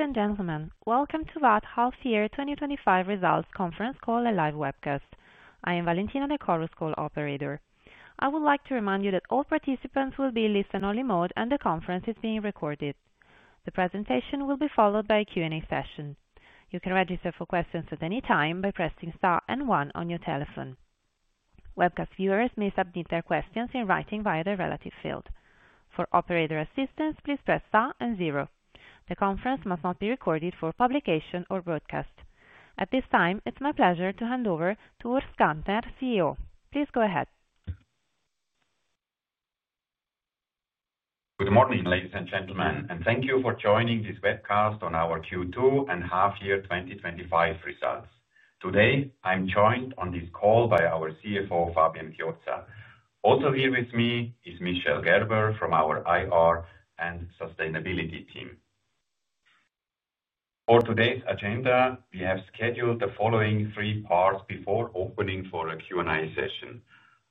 Ladies and gentlemen, welcome to VAT Half Year 2025 Results Conference Call, a live webcast. I am Valentina Nekoros, Call Operator. I would like to remind you that all participants will be in listen-only mode and the conference is being recorded. The presentation will be followed by a Q&A session. You can register for questions at any time by pressing star and one on your telephone. Webcast viewers may submit their questions in writing via the relative field. For operator assistance, please press star and 0. The conference must not be recorded for publication or broadcast. At this time, it's my pleasure to hand over to Urs Gantner, CEO. Please go ahead. Good morning, ladies and gentlemen, and thank you for joining this webcast on our Q2 and Half Year 2025 results. Today, I'm joined on this call by our CFO, Fabian Chiozza. Also here with me is Michel Gerber from our IR and Sustainability team. For today's agenda, we have scheduled the following three parts before opening for a Q&A session.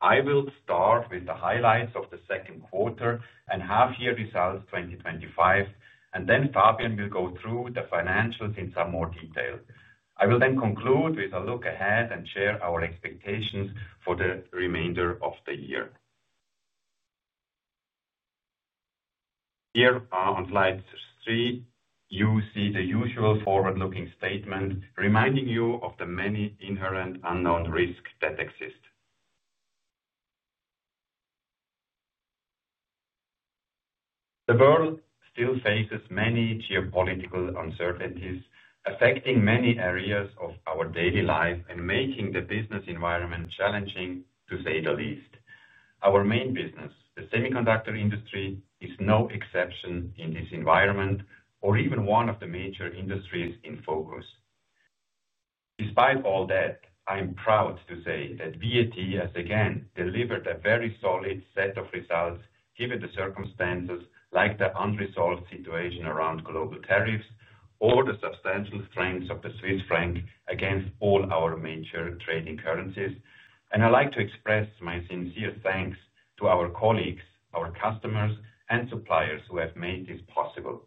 I will start with the highlights of the second quarter and half-year results 2025, and then Fabian will go through the financials in some more detail. I will then conclude with a look ahead and share our expectations for the remainder of the year. Here on slide 3, you see the usual forward-looking statement reminding you of the many inherent unknown risks that exist. The world still faces many geopolitical uncertainties affecting many areas of our daily life and making the business environment challenging, to say the least. Our main business, the semiconductor industry, is no exception in this environment, or even one of the major industries in focus. Despite all that, I'm proud to say that VAT has again delivered a very solid set of results given the circumstances like the unresolved situation around global tariffs or the substantial strength of the Swiss franc against all our major trading currencies. I'd like to express my sincere thanks to our colleagues, our customers, and suppliers who have made this possible.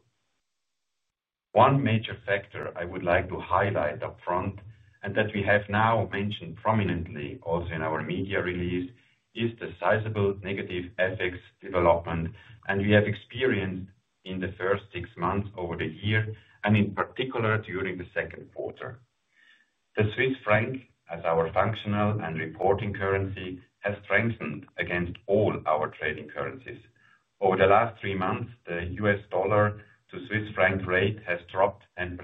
One major factor I would like to highlight upfront, and that we have now mentioned prominently also in our media release, is the sizable negative effects development we have experienced in the first six months over the year, and in particular during the second quarter. The Swiss franc, as our functional and reporting currency, has strengthened against all our trading currencies. Over the last three months, the U.S. dollar to Swiss franc rate has dropped 10%.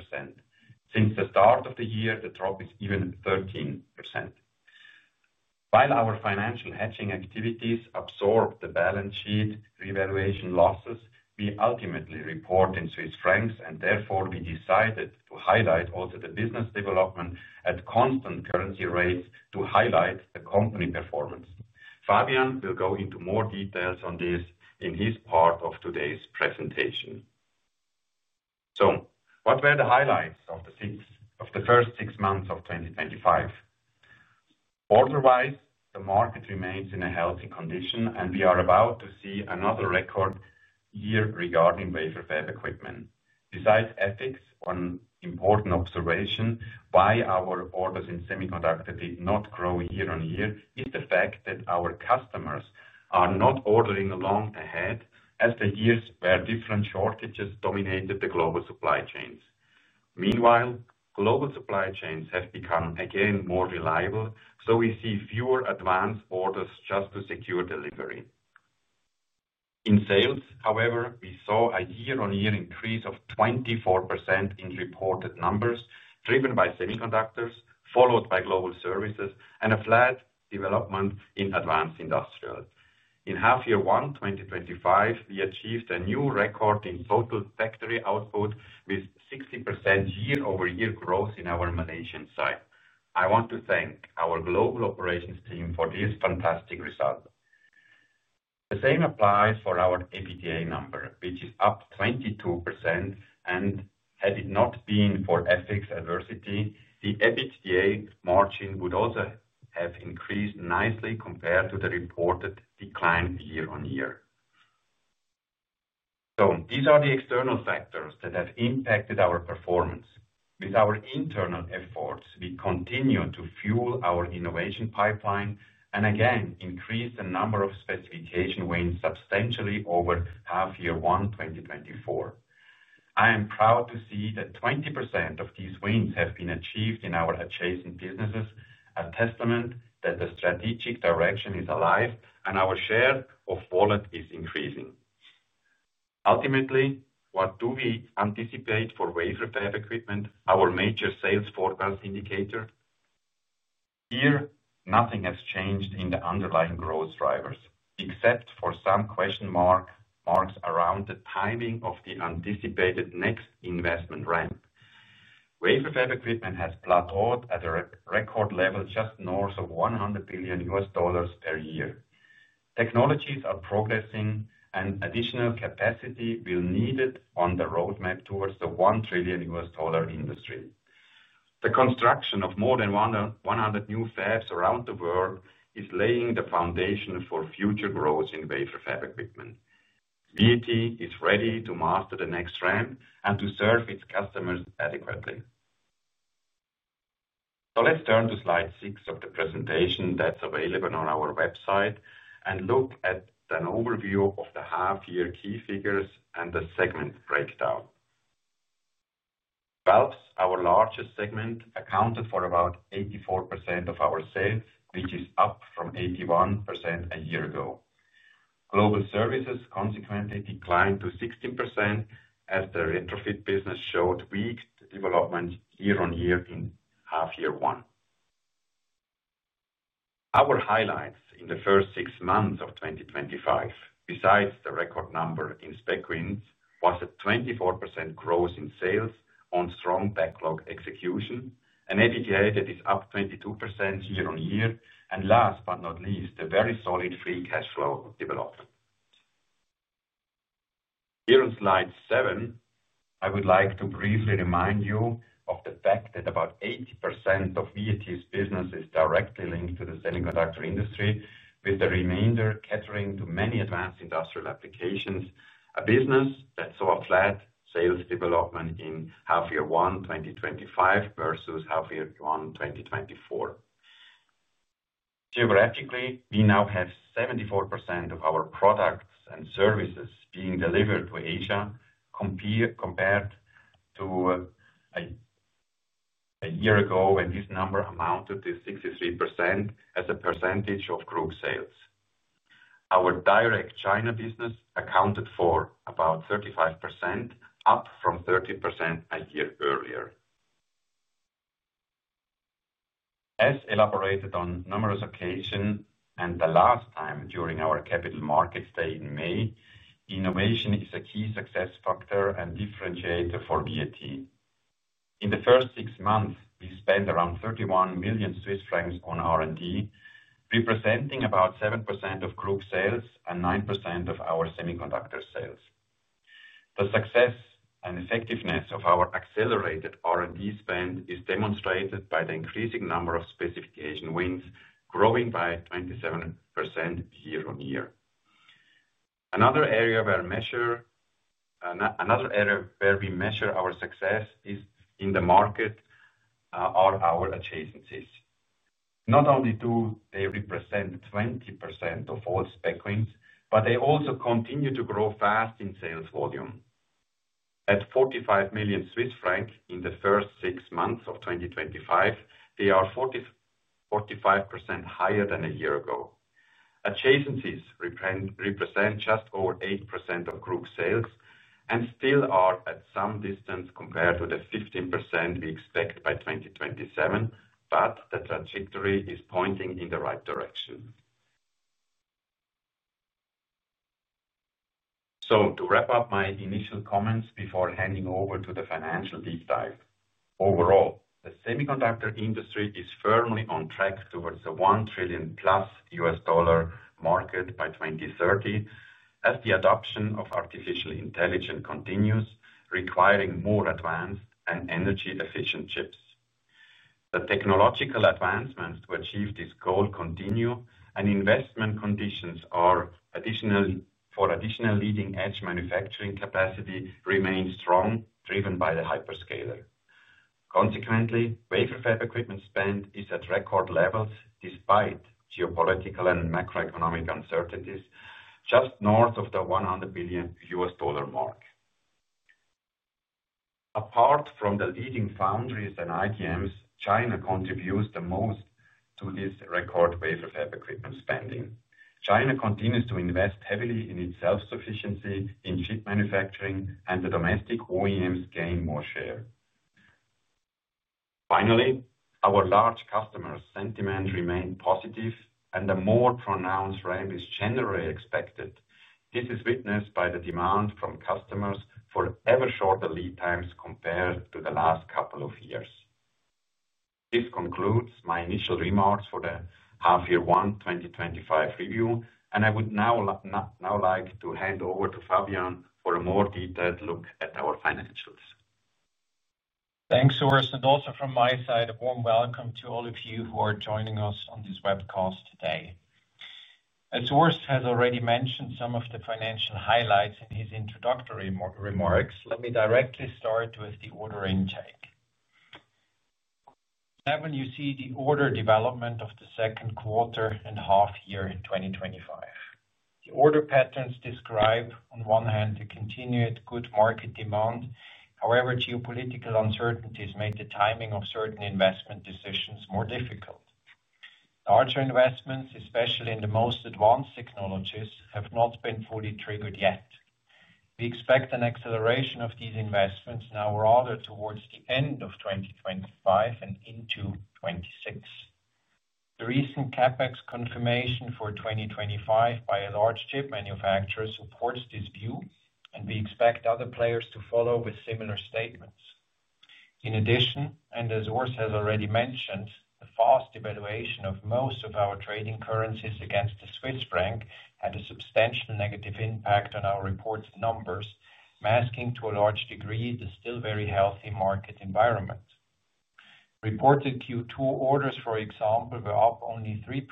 Since the start of the year, the drop is even 13%. While our financial hedging activities absorb the balance sheet revaluation losses, we ultimately report in Swiss francs, and therefore we decided to highlight also the business development at constant currency rates to highlight the company performance. Fabian will go into more details on this in his part of today's presentation. What were the highlights of the first six months of 2025? Order-wise, the market remains in a healthy condition, and we are about to see another record year regarding Wafer Fab Equipment. Besides ethics, one important observation why our orders in semiconductor did not grow year on year is the fact that our customers are not ordering long ahead, as the years where different shortages dominated the global supply chains. Meanwhile, global supply chains have become again more reliable, so we see fewer advance orders just to secure delivery. In sales, however, we saw a year-on-year increase of 24% in reported numbers, driven by semiconductors, followed by global services, and a flat development in advanced industrial. In half year one 2025, we achieved a new record in total factory output with 60% year-over-year growth in our Malaysian site. I want to thank our global operations team for this fantastic result. The same applies for our EBITDA number, which is up 22%, and had it not been for ethics adversity, the EBITDA margin would also have increased nicely compared to the reported decline year-on-year. These are the external factors that have impacted our performance. With our internal efforts, we continue to fuel our innovation pipeline and again increase the number of Specification Wins substantially over half year one 2024. I am proud to see that 20% of these wins have been achieved in our adjacent businesses, a testament that the strategic direction is alive and our Share of Wallet is increasing. Ultimately, what do we anticipate for Wafer Fab Equipment, our major sales forecast indicator? Here, nothing has changed in the underlying growth drivers, except for some question marks around the timing of the anticipated next investment ramp. Wafer Fab Equipment has plateaued at a record level just north of $100 billion per year. Technologies are progressing, and additional capacity will need on the roadmap towards the $1 trillion U.S. dollar industry. The construction of more than 100 new fabs around the world is laying the foundation for future growth in Wafer Fab Equipment. VAT is ready to master the next ramp and to serve its customers adequately. Let's turn to slide 6 of the presentation that's available on our website and look at an overview of the half-year key figures and the segment breakdown. Valves, our largest segment, accounted for about 84% of our sales, which is up from 81% a year ago. Global services consequently declined to 16% as the Retrofit business showed weak development year-on-year in half year one. Our highlights in the first six months of 2025, besides the record number in Spec Wins, was a 24% growth in sales on strong backlog execution, an EBITDA that is up 22% year-on-year, and last but not least, a very solid free cash flow development. Here on slide 7, I would like to briefly remind you of the fact that about 80% of VAT's business is directly linked to the semiconductor industry, with the remainder catering to many advanced industrial applications, a business that saw a flat sales development in half year one 2025 versus half year one 2024. Geographically, we now have 74% of our products and services being delivered to Asia. Compared to a year ago when this number amounted to 63% as a percentage of group sales. Our direct China business accounted for about 35%, up from 30% a year earlier. As elaborated on numerous occasions and the last time during our capital markets day in May, innovation is a key success factor and differentiator for VAT. In the first six months, we spent around 31 million Swiss francs on R&D, representing about 7% of group sales and 9% of our semiconductor sales. The success and effectiveness of our accelerated R&D spend is demonstrated by the increasing number of Specification Wins growing by 27% year-on-year. Another area where we measure our success is in the market, our adjacencies. Not only do they represent 20% of all Spec Wins, but they also continue to grow fast in sales volume. At 45 million Swiss francs in the first six months of 2025, they are 45% higher than a year ago. Adjacencies represent just over 8% of group sales and still are at some distance compared to the 15% we expect by 2027, but the trajectory is pointing in the right direction. To wrap up my initial comments before handing over to the financial deep dive, overall, the semiconductor industry is firmly on track towards a $1 trillion plus U.S. dollar market by 2030 as the adoption of artificial intelligence continues, requiring more advanced and energy-efficient chips. The technological advancements to achieve this goal continue, and investment conditions for additional leading-edge manufacturing capacity remain strong, driven by the Hyperscaler. Consequently, Wafer Fab Equipment spend is at record levels despite geopolitical and macroeconomic uncertainties, just north of the $100 billion mark. Apart from the leading foundries and IDMs, China contributes the most to this record Wafer Fab Equipment spending. China continues to invest heavily in its self-sufficiency in chip manufacturing, and the domestic OEMs gain more share. Finally, our large customers' sentiment remains positive, and a more pronounced ramp is generally expected. This is witnessed by the demand from customers for ever shorter lead times compared to the last couple of years. This concludes my initial remarks for the half year one 2025 review, and I would now like to hand over to Fabian for a more detailed look at our financials. Thanks, Urs, and also from my side, a warm welcome to all of you who are joining us on this webcast today. As Urs has already mentioned some of the financial highlights in his introductory remarks, let me directly start with the order intake. Above you see the order development of the second quarter and half year in 2025. The order patterns describe, on one hand, the continued good market demand. However, geopolitical uncertainties made the timing of certain investment decisions more difficult. Larger investments, especially in the most advanced technologies, have not been fully triggered yet. We expect an acceleration of these investments now rather towards the end of 2025 and into 2026. The recent CapEx confirmation for 2025 by a large chip manufacturer supports this view, and we expect other players to follow with similar statements. In addition, and as Urs has already mentioned, the fast evaluation of most of our trading currencies against the Swiss franc had a substantial negative impact on our reported numbers, masking to a large degree the still very healthy market environment. Reported Q2 orders, for example, were up only 3%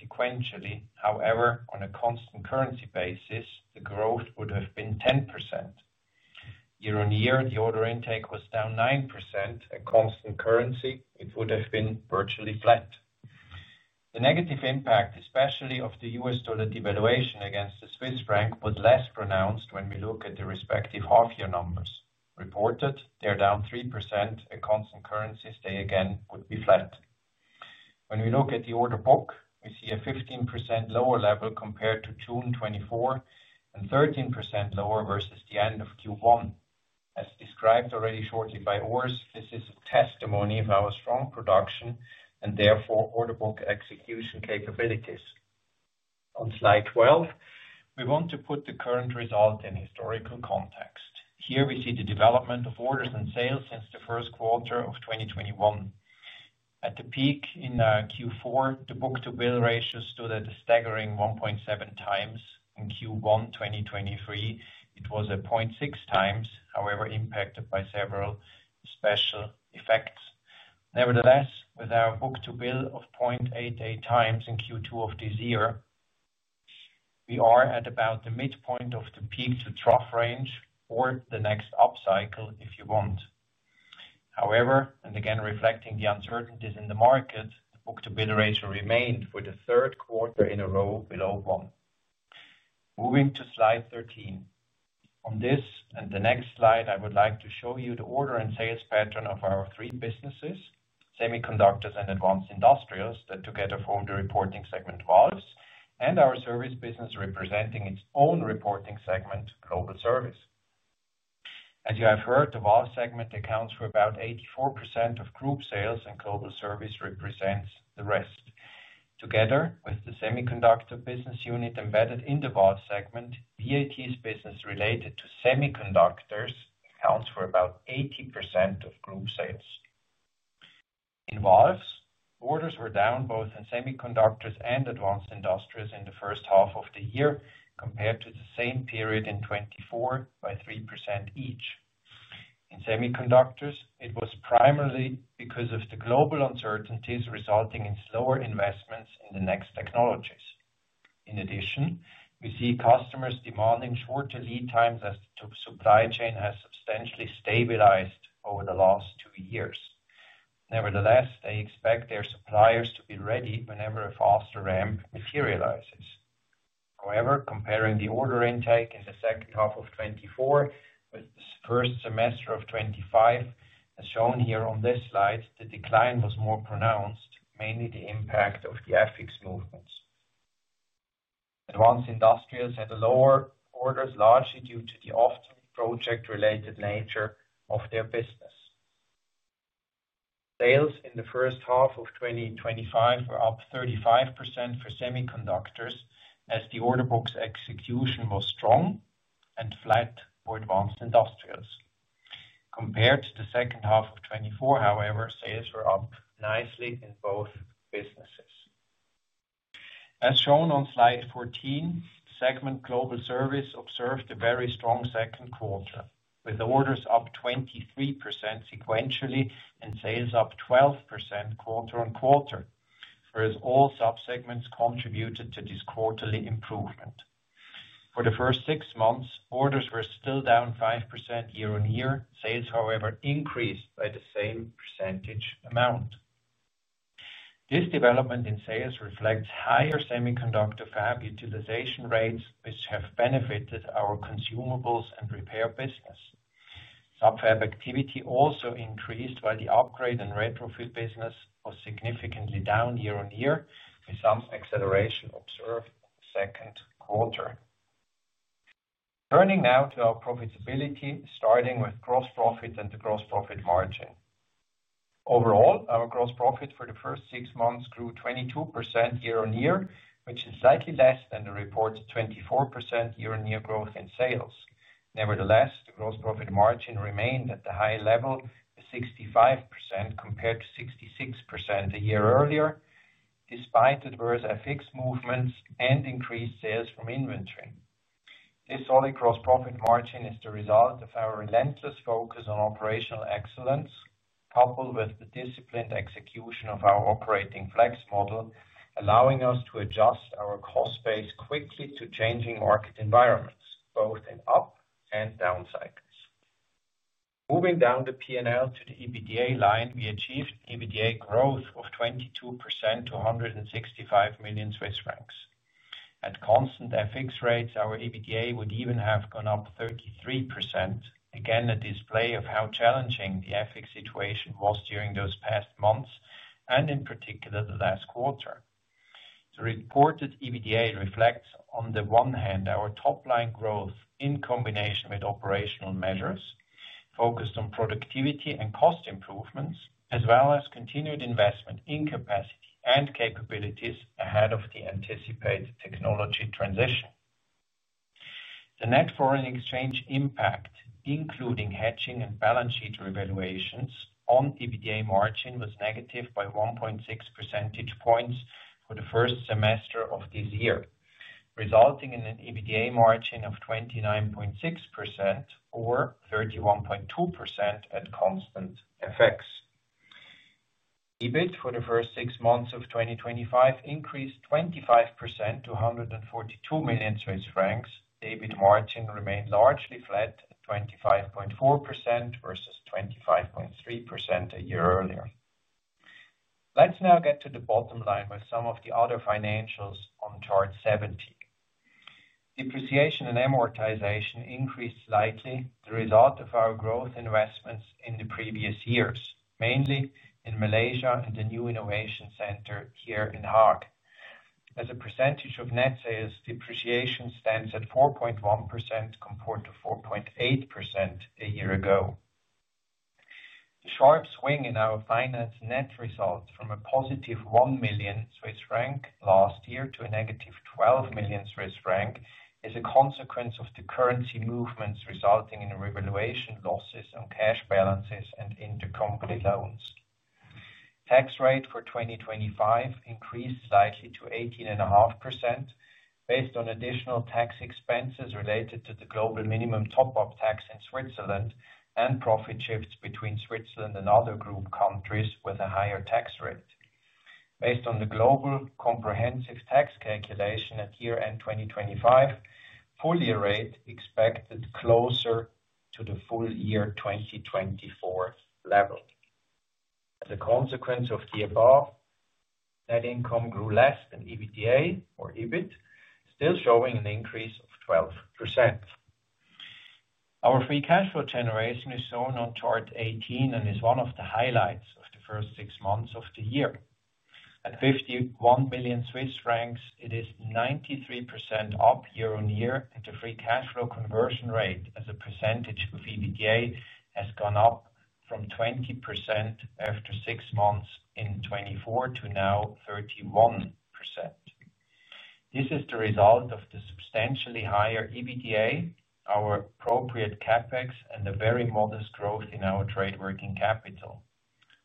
sequentially. However, on a constant currency basis, the growth would have been 10%. Year-on-year, the order intake was down 9%. At constant currency, it would have been virtually flat. The negative impact, especially of the U.S. dollar devaluation against the Swiss franc, was less pronounced when we look at the respective half-year numbers. Reported, they are down 3%. At constant currencies, they again would be flat. When we look at the order book, we see a 15% lower level compared to June 2024 and 13% lower versus the end of Q1. As described already shortly by Urs, this is a testimony of our strong production and therefore order book execution capabilities. On slide 12, we want to put the current result in historical context. Here we see the development of orders and sales since the first quarter of 2021. At the peak in Q4, the Book-to-Bill Ratio stood at a staggering 1.7 times. In Q1 2023, it was 0.6 times. However, impacted by several special effects. Nevertheless, with our Book-to-Bill of 0.88 times in Q2 of this year, we are at about the midpoint of the peak-to-trough range or the next up cycle, if you want. However, and again reflecting the uncertainties in the market, the Book-to-Bill Ratio remained for the third quarter in a row below one. Moving to slide 13. On this and the next slide, I would like to show you the order and sales pattern of our three businesses: semiconductors and Advanced Industrials that together form the reporting segment Valves, and our service business representing its own reporting segment, Global Service. As you have heard, the Valves segment accounts for about 84% of group sales, and Global Service represents the rest. Together with the semiconductor business unit embedded in the Valves segment, VAT's business related to semiconductors accounts for about 80% of group sales. In Valves, orders were down both in semiconductors and Advanced Industrials in the first half of the year compared to the same period in 2024 by 3% each. In semiconductors, it was primarily because of the global uncertainties resulting in slower investments in the next technologies. In addition, we see customers demanding shorter lead times as the supply chain has substantially stabilized over the last two years. Nevertheless, they expect their suppliers to be ready whenever a faster ramp materializes. However, comparing the order intake in the second half of 2024 with the first semester of 2025, as shown here on this slide, the decline was more pronounced, mainly the impact of the FX movements. Advanced Industrials had lower orders, largely due to the often project-related nature of their business. Sales in the first half of 2025 were up 35% for semiconductors as the order book's execution was strong and flat for Advanced Industrials. Compared to the second half of 2024, however, sales were up nicely in both businesses. As shown on slide 14, the segment Global Service observed a very strong second quarter, with orders up 23% sequentially and sales up 12% quarter on quarter, whereas all subsegments contributed to this quarterly improvement. For the first six months, orders were still down 5% year-on-year; sales, however, increased by the same percentage amount. This development in sales reflects higher semiconductor fab utilization rates, which have benefited our consumables and repair business. Subfab activity also increased while the upgrade and Retrofit business was significantly down year-on-year, with some acceleration observed in the second quarter. Turning now to our profitability, starting with gross profit and the gross profit margin. Overall, our gross profit for the first six months grew 22% year-on-year, which is slightly less than the reported 24% year-on-year growth in sales. Nevertheless, the gross profit margin remained at the high level of 65% compared to 66% a year earlier, despite adverse FX movements and increased sales from inventory. This solid gross profit margin is the result of our relentless focus on operational excellence, coupled with the disciplined execution of our Operating Flex Model, allowing us to adjust our cost base quickly to changing market environments, both in up and down cycles. Moving down the P&L to the EBITDA line, we achieved EBITDA growth of 22% to 165 million Swiss francs. At constant FX rates, our EBITDA would even have gone up 33%, again a display of how challenging the FX situation was during those past months and in particular the last quarter. The reported EBITDA reflects, on the one hand, our top-line growth in combination with operational measures focused on productivity and cost improvements, as well as continued investment in capacity and capabilities ahead of the anticipated technology transition. The net foreign exchange impact, including hedging and balance sheet revaluations on EBITDA margin, was negative by 1.6 percentage points for the first semester of this year, resulting in an EBITDA margin of 29.6% or 31.2% at constant FX. EBIT for the first six months of 2025 increased 25% to 142 million Swiss francs. EBIT margin remained largely flat at 25.4% versus 25.3% a year earlier. Let's now get to the bottom line with some of the other financials on chart 70. Depreciation and amortization increased slightly as a result of our growth investments in the previous years, mainly in Malaysia and the new innovation center here in Haag. As a percentage of net sales, depreciation stands at 4.1% compared to 4.8% a year ago. The sharp swing in our finance net result from a positive 1 million Swiss franc last year to a negative 12 million Swiss franc is a consequence of the currency movements resulting in revaluation losses on cash balances and intercompany loans. Tax rate for 2025 increased slightly to 18.5% based on additional tax expenses related to the Global Minimum Top-Up Tax in Switzerland and profit shifts between Switzerland and other group countries with a higher tax rate, based on the global comprehensive tax calculation at year-end 2025. Full-year rate expected closer to the full year 2024 level. As a consequence of the above, net income grew less than EBITDA or EBIT, still showing an increase of 12%. Our free cash flow generation is shown on chart 18 and is one of the highlights of the first six months of the year. At 51 million Swiss francs, it is 93% up year-on-year, and the free cash flow conversion rate as a percentage of EBITDA has gone up from 20% after six months in 2024 to now 31%. This is the result of the substantially higher EBITDA, our appropriate CapEx, and the very modest growth in our trade working capital.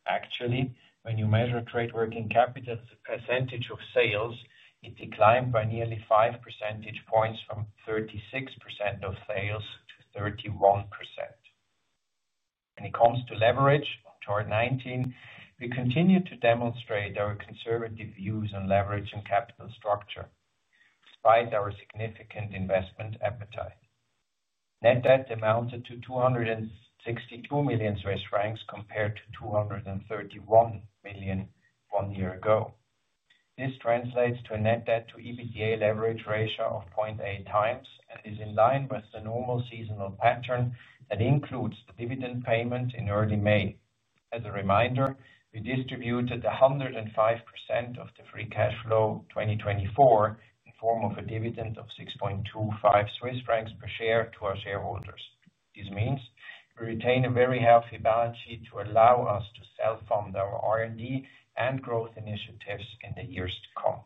Actually, when you measure trade working capital as a percentage of sales, it declined by nearly 5 percentage points from 36% of sales to 31%. When it comes to leverage, on chart 19, we continue to demonstrate our conservative views on leverage and capital structure, despite our significant investment appetite. Net debt amounted to 262 million Swiss francs compared to 231 million one year ago. This translates to a net debt-to-EBITDA leverage ratio of 0.8 times and is in line with the normal seasonal pattern that includes the dividend payment in early May. As a reminder, we distributed 105% of the free cash flow 2024 in the form of a dividend of 6.25 Swiss francs per share to our shareholders. This means we retain a very healthy balance sheet to allow us to self-fund our R&D and growth initiatives in the years to come.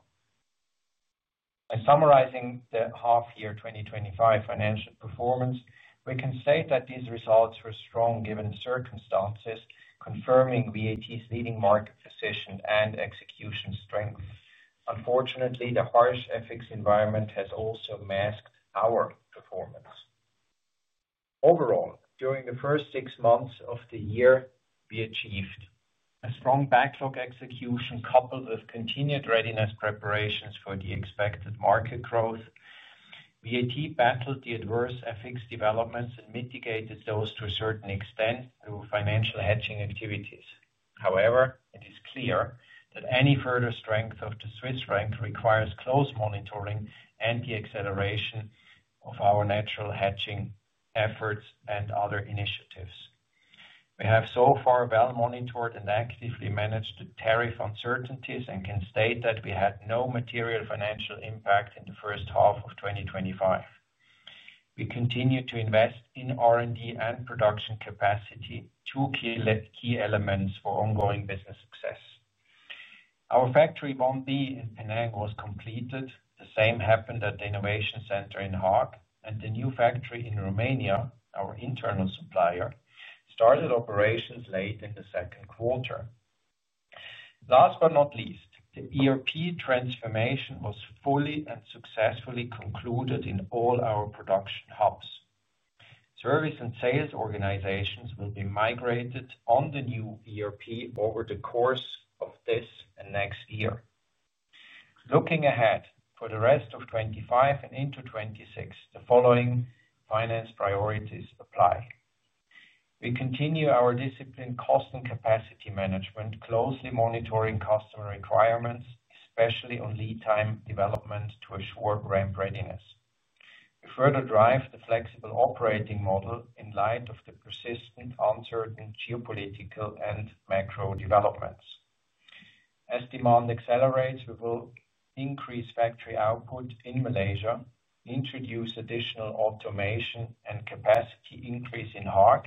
By summarizing the half-year 2025 financial performance, we can say that these results were strong given circumstances, confirming VAT's leading market position and execution strength. Unfortunately, the harsh FX environment has also masked our performance. Overall, during the first six months of the year, we achieved a strong backlog execution coupled with continued readiness preparations for the expected market growth. VAT battled the adverse FX developments and mitigated those to a certain extent through financial hedging activities. However, it is clear that any further strength of the Swiss franc requires close monitoring and the acceleration of our Natural Hedging efforts and other initiatives. We have so far well monitored and actively managed the tariff uncertainties and can state that we had no material financial impact in the first half of 2025. We continue to invest in R&D and production capacity, two key elements for ongoing business success. Our factory Bondi in Penang was completed. The same happened at the innovation center in Haag, and the new factory in Romania, our internal supplier, started operations late in the second quarter. Last but not least, the ERP Transformation was fully and successfully concluded in all our production hubs. Service and sales organizations will be migrated on the new ERP over the course of this and next year. Looking ahead for the rest of 2025 and into 2026, the following finance priorities apply. We continue our disciplined cost and capacity management, closely monitoring customer requirements, especially on lead time development to assure ramp readiness. We further drive the flexible operating model in light of the persistent uncertain geopolitical and macro developments. As demand accelerates, we will increase factory output in Malaysia, introduce additional automation and capacity increase in Haag,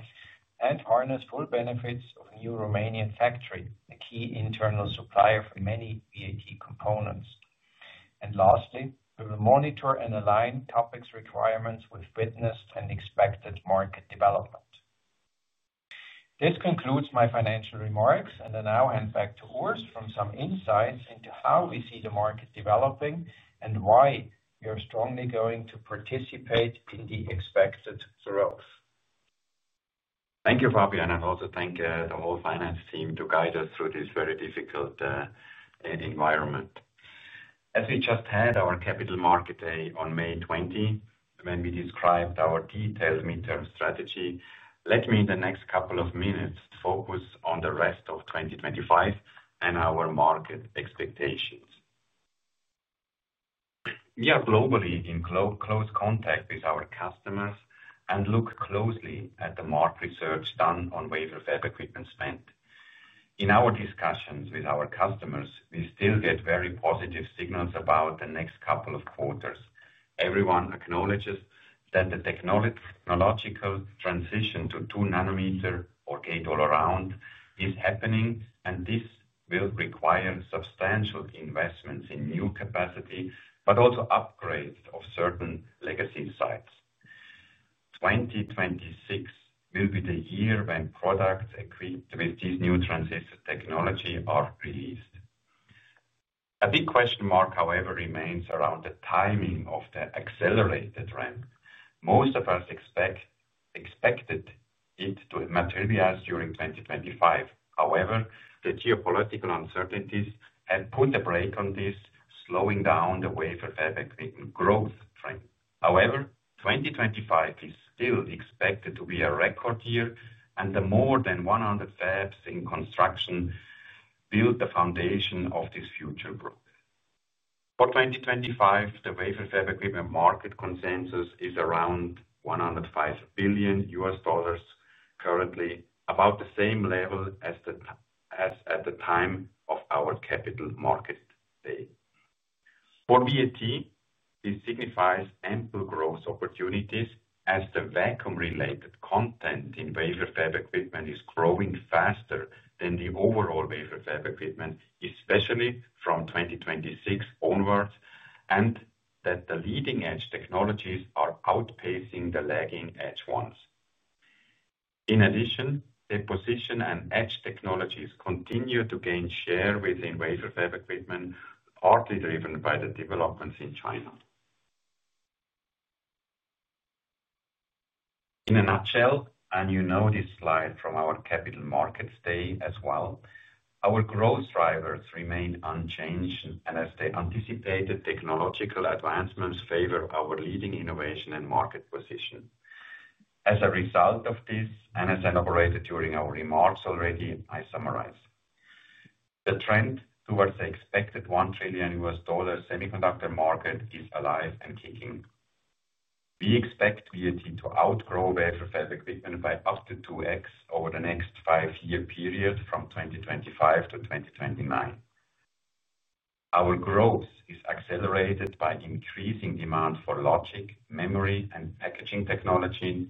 and harness full benefits of a new Romanian factory, a key internal supplier for many VAT components. Lastly, we will monitor and align CapEx requirements with witnessed and expected market development. This concludes my financial remarks, and I now hand back to Urs for some insights into how we see the market developing and why we are strongly going to participate in the expected growth. Thank you, Fabian, and also thank the whole finance team to guide us through this very difficult environment. As we just had our capital market day on May 20, when we described our detailed midterm strategy, let me in the next couple of minutes focus on the rest of 2025 and our market expectations. We are globally in close contact with our customers and look closely at the market research done on Wafer Fab Equipment spend. In our discussions with our customers, we still get very positive signals about the next couple of quarters. Everyone acknowledges that the technological transition to 2 nanometer or Gate-All-Around is happening, and this will require substantial investments in new capacity, but also upgrades of certain legacy sites. 2026 will be the year when products equipped with this new transistor technology are released. A big question mark, however, remains around the timing of the accelerated ramp. Most of us expected it to materialize during 2025. However, the geopolitical uncertainties had put a brake on this, slowing down the Wafer Fab Equipment growth trend. However, 2025 is still expected to be a record year, and the more than 100 fabs in construction build the foundation of this future growth. For 2025, the Wafer Fab Equipment market consensus is around $105 billion currently, about the same level as at the time of our capital market day. For VAT, this signifies ample growth opportunities as the vacuum-related content in Wafer Fab Equipment is growing faster than the overall Wafer Fab Equipment, especially from 2026 onwards, and that the Leading Edge technologies are outpacing the Lagging Edge ones. In addition, the position and edge technologies continue to gain share within Wafer Fab Equipment, partly driven by the developments in China. In a nutshell, and you know this slide from our capital markets day as well, our growth drivers remain unchanged, and as the anticipated technological advancements favor our leading innovation and market position. As a result of this, and as I elaborated during our remarks already, I summarize. The trend towards the expected $1 trillion semiconductor market is alive and kicking. We expect VAT to outgrow Wafer Fab Equipment by up to 2x over the next five-year period from 2025 to 2029. Our growth is accelerated by increasing demand for logic, memory, and packaging technologies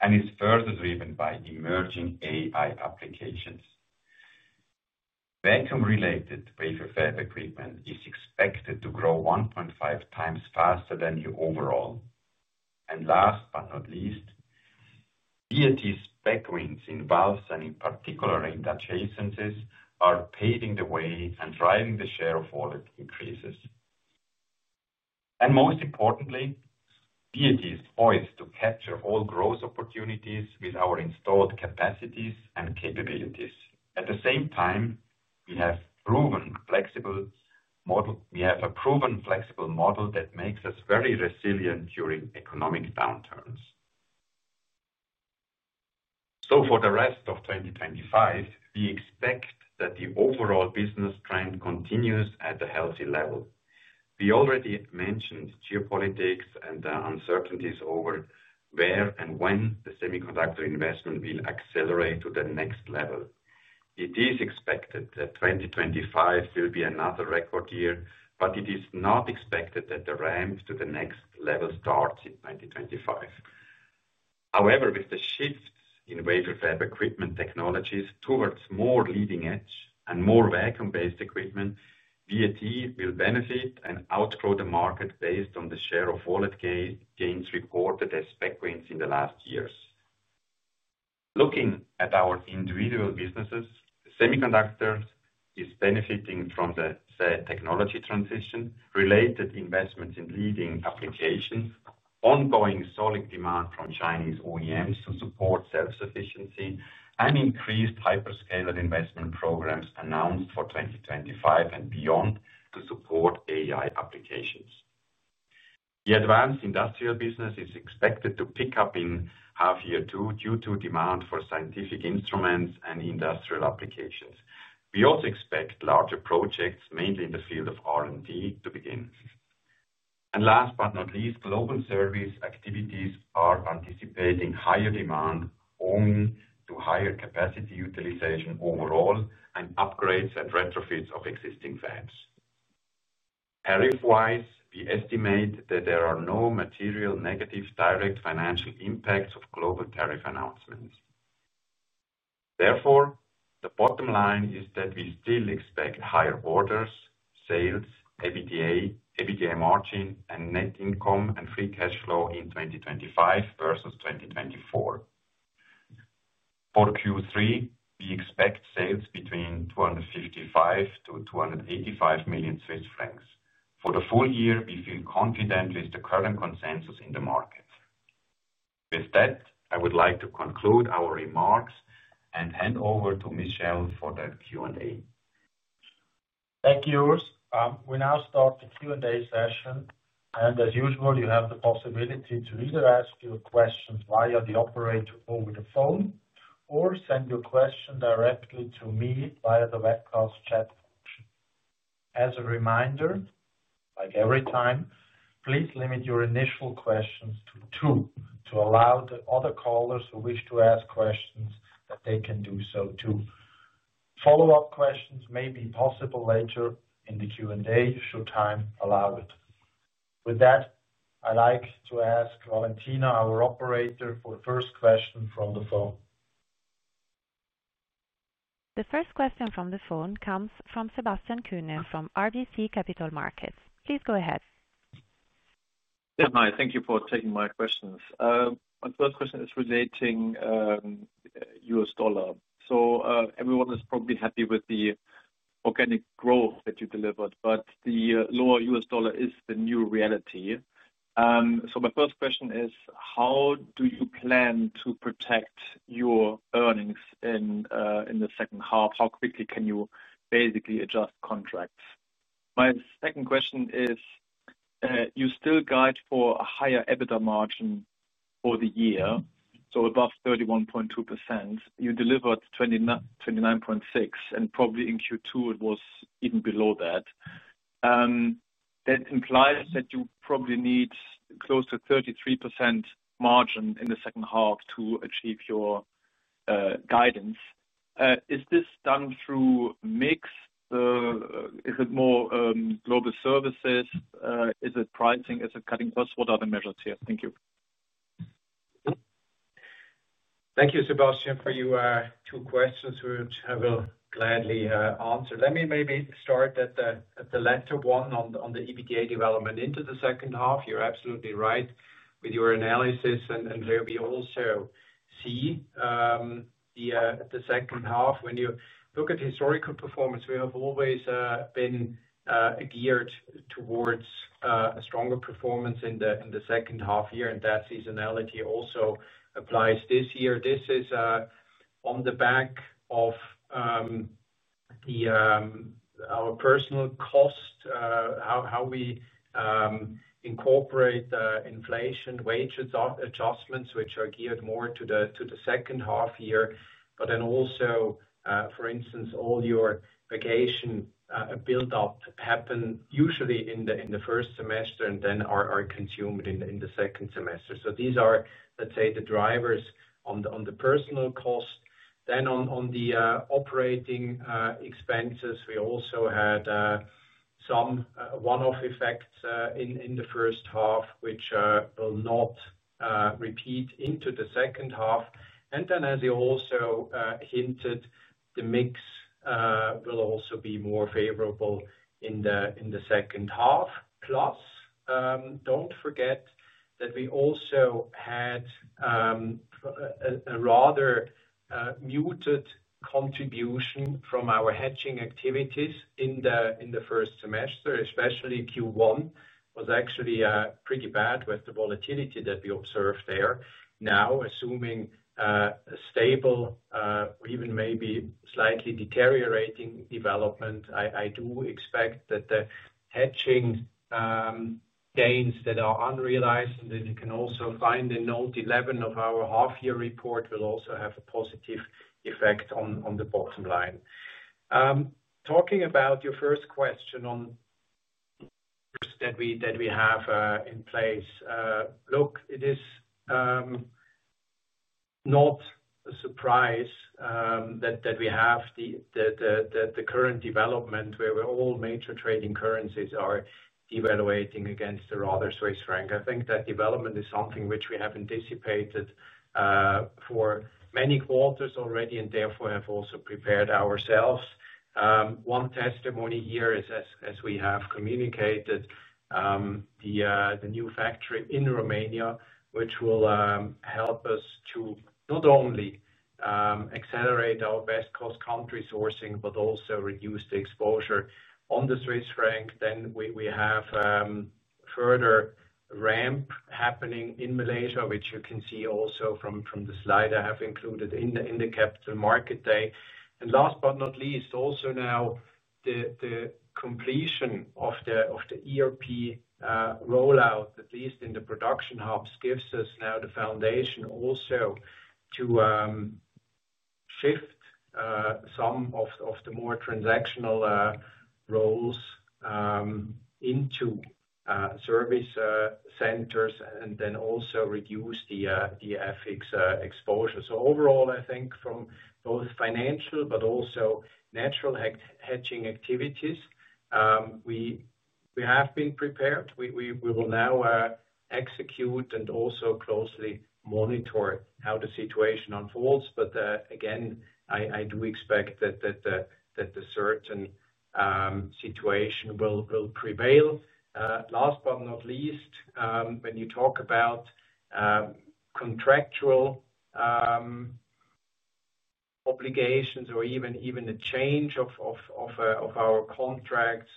and is further driven by emerging AI applications. Vacuum-related Wafer Fab Equipment is expected to grow 1.5 times faster than the overall. Last but not least, VAT Spec Wins in Valves and in particular in adjacencies are paving the way and driving the Share of Wallet increases. Most importantly, VAT is poised to capture all growth opportunities with our installed capacities and capabilities. At the same time, we have a proven flexible model that makes us very resilient during economic downturns. For the rest of 2025, we expect that the overall business trend continues at a healthy level. We already mentioned geopolitics and the uncertainties over where and when the semiconductor investment will accelerate to the next level. It is expected that 2025 will be another record year, but it is not expected that the ramp to the next level starts in 2025. However, with the shift in Wafer Fab Equipment technologies towards more Leading Edge and more vacuum-based equipment, VAT will benefit and outgrow the market based on the Share of Wallet gains reported as Spec Wins in the last years. Looking at our individual businesses, the semiconductor is benefiting from the technology transition, related investments in leading applications, ongoing solid demand from Chinese OEMs to support self-sufficiency, and increased Hyperscaler investment programs announced for 2025 and beyond to support AI applications. The Advanced Industrial business is expected to pick up in half-year two due to demand for scientific instruments and industrial applications. We also expect larger projects, mainly in the field of R&D, to begin. Last but not least, global service activities are anticipating higher demand owing to higher capacity utilization overall and upgrades and Retrofits of existing fabs. Tariff-wise, we estimate that there are no material negative direct financial impacts of global tariff announcements. Therefore, the bottom line is that we still expect higher orders, sales, EBITDA, EBITDA margin, and net income and free cash flow in 2025 versus 2024. For Q3, we expect sales between 255 million-285 million Swiss francs. For the full year, we feel confident with the current consensus in the market. With that, I would like to conclude our remarks and hand over to Michel for the Q&A. Thank you, Urs. We now start the Q&A session, and as usual, you have the possibility to either ask your questions via the operator over the phone or send your question directly to me via the webcast chat function. As a reminder, like every time, please limit your initial questions to two to allow the other callers who wish to ask questions that they can do so too. Follow-up questions may be possible later in the Q&A should time allow it. With that, I'd like to ask Valentina, our operator, for the first question from the phone. The first question from the phone comes from Sebastian Kuenne from RBC Capital Markets. Please go ahead. Yeah, hi. Thank you for taking my questions. My first question is relating U.S. dollar. So everyone is probably happy with the organic growth that you delivered, but the lower U.S. dollar is the new reality. So my first question is, how do you plan to protect your earnings in the second half? How quickly can you basically adjust contracts? My second question is. You still guide for a higher EBITDA margin for the year, so above 31.2%. You delivered 29.6%, and probably in Q2 it was even below that. That implies that you probably need close to 33% margin in the second half to achieve your guidance. Is this done through mix? Is it more Global Service? Is it pricing? Is it cutting costs? What are the measures here? Thank you. Thank you, Sebastian, for your two questions which I will gladly answer. Let me maybe start at the latter one on the EBITDA development into the second half. You're absolutely right with your analysis, and here we also see the second half. When you look at historical performance, we have always been geared towards a stronger performance in the second half year, and that seasonality also applies this year. This is on the back of our personal cost. How we incorporate inflation wage adjustments, which are geared more to the second half year, but then also, for instance, all your vacation build-up happened usually in the first semester and then are consumed in the second semester. So these are, let's say, the drivers on the personal cost. Then on the operating expenses, we also had some one-off effects in the first half, which will not repeat into the second half. And then, as you also hinted, the mix, will also be more favorable in the second half. Plus, don't forget that we also had a rather muted contribution from our hedging activities in the first semester, especially Q1, was actually pretty bad with the volatility that we observed there. Now, assuming a stable or even maybe slightly deteriorating development, I do expect that the hedging gains that are unrealized and that you can also find in note 11 of our half-year report will also have a positive effect on the bottom line. Talking about your first question on that we have in place, look, it is not a surprise that we have the current development where all major trading currencies are devaluating against the rather Swiss franc. I think that development is something which we have anticipated for many quarters already and therefore have also prepared ourselves. One testimony here is, as we have communicated, the new factory in Romania, which will help us to not only accelerate our best cost country sourcing but also reduce the exposure on the Swiss franc, then we have further ramp happening in Malaysia, which you can see also from the slide I have included in the capital market day. Last but not least, also now the completion of the ERP rollout, at least in the production hubs, gives us now the foundation also to shift some of the more transactional roles into service centers and then also reduce the FX exposure. Overall, I think from both financial but also Natural Hedging activities, we have been prepared. We will now execute and also closely monitor how the situation unfolds. Again, I do expect that the certain situation will prevail. Last but not least, when you talk about contractual obligations or even a change of our contracts,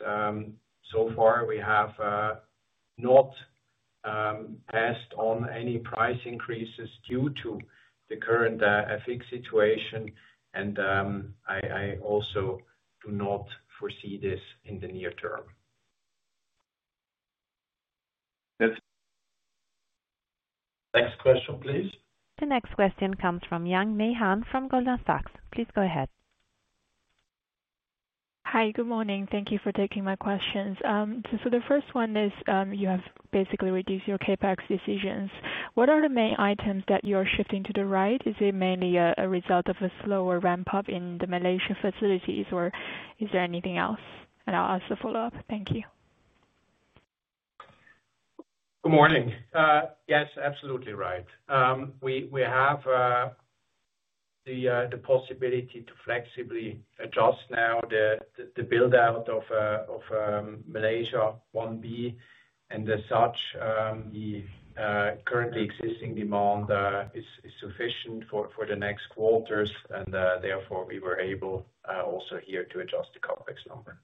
so far, we have not passed on any price increases due to the current FX situation, and I also do not foresee this in the near term. Next question, please. The next question comes from Yang Meihan from Goldman Sachs. Please go ahead. Hi, good morning. Thank you for taking my questions. The first one is you have basically reduced your CapEx decisions. What are the main items that you are shifting to the right? Is it mainly a result of a slower ramp-up in the Malaysia facilities, or is there anything else? I will ask the follow-up. Thank you. Good morning. Yes, absolutely right. We have the possibility to flexibly adjust now the build-out of Malaysia 1B, and as such, the currently existing demand is sufficient for the next quarters, and therefore we were able also here to adjust the CapEx number.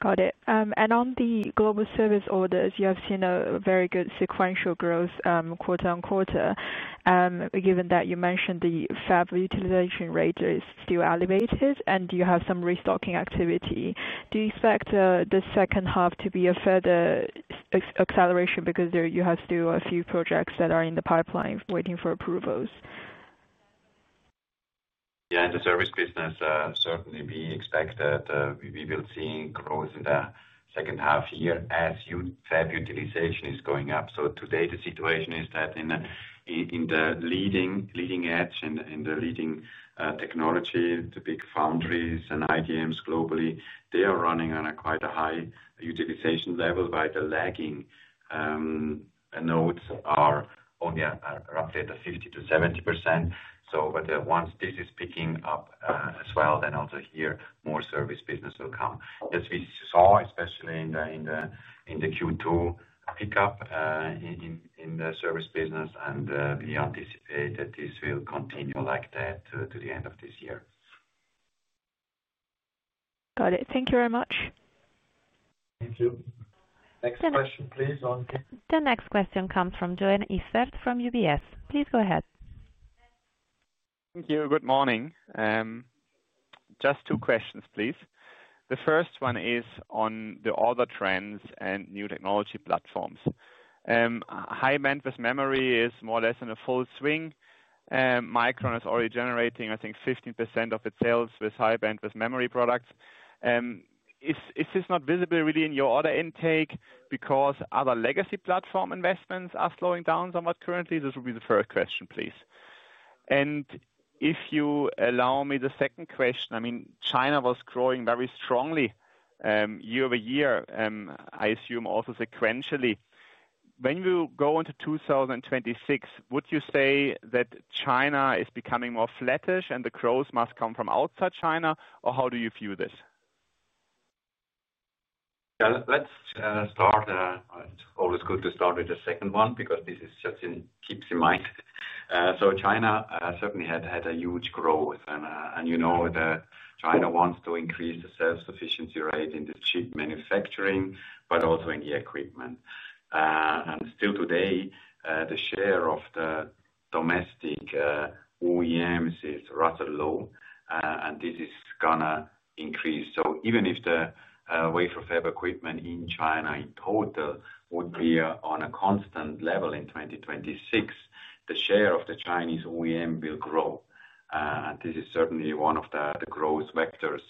Got it. On the Global Service orders, you have seen a very good sequential growth quarter on quarter. Given that you mentioned the fab utilization rate is still elevated and you have some restocking activity, do you expect the second half to be a further acceleration because you have still a few projects that are in the pipeline waiting for approvals? Yeah, in the service business, certainly we expect that we will see growth in the second half year as you said utilization is going up. Today the situation is that in the Leading Edge and the leading technology, the big foundries and IDMs globally, they are running on quite a high utilization level, but the lagging nodes are on roughly at the 50%-70%. Once this is picking up as well, then also here more service business will come. As we saw, especially in the Q2 pickup in the service business, and we anticipate that this will continue like that to the end of this year. Got it. Thank you very much. Thank you. Next question, please. The next question comes from Joel Istvad from UBS. Please go ahead. Thank you. Good morning. Just two questions, please. The first one is on the other trends and new technology platforms. High Bandwidth Memory is more or less in a full swing. Micron is already generating, I think, 15% of its sales with High Bandwidth Memory products. Is this not visible really in your order intake because other legacy platform investments are slowing down somewhat currently? This will be the first question, please. And if you allow me the second question, I mean, China was growing very strongly year-over-year, I assume also sequentially. When you go into 2026, would you say that China is becoming more flattish and the growth must come from outside China, or how do you view this? Yeah, let's start. It's always good to start with the second one because this is just in keeps in mind. China certainly had a huge growth, and you know that China wants to increase the self-sufficiency rate in the chip manufacturing, but also in the equipment. Still today, the share of the domestic OEMs is rather low, and this is going to increase. Even if the Wafer Fab Equipment in China in total would be on a constant level in 2026, the share of the Chinese OEM will grow. This is certainly one of the growth vectors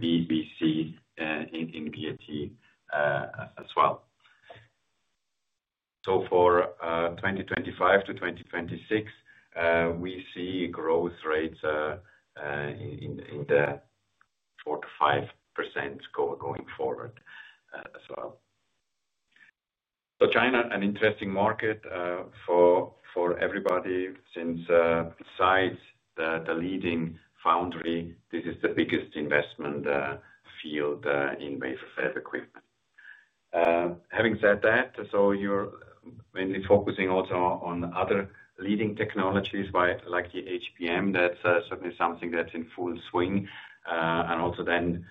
we see in VAT as well. For 2025 to 2026, we see growth rates in the 4%-5% going forward as well. China, an interesting market for everybody since besides the leading foundry, this is the biggest investment field in Wafer Fab Equipment. Having said that, you're mainly focusing also on other leading technologies like the HBM, that's certainly something that's in full swing. Also then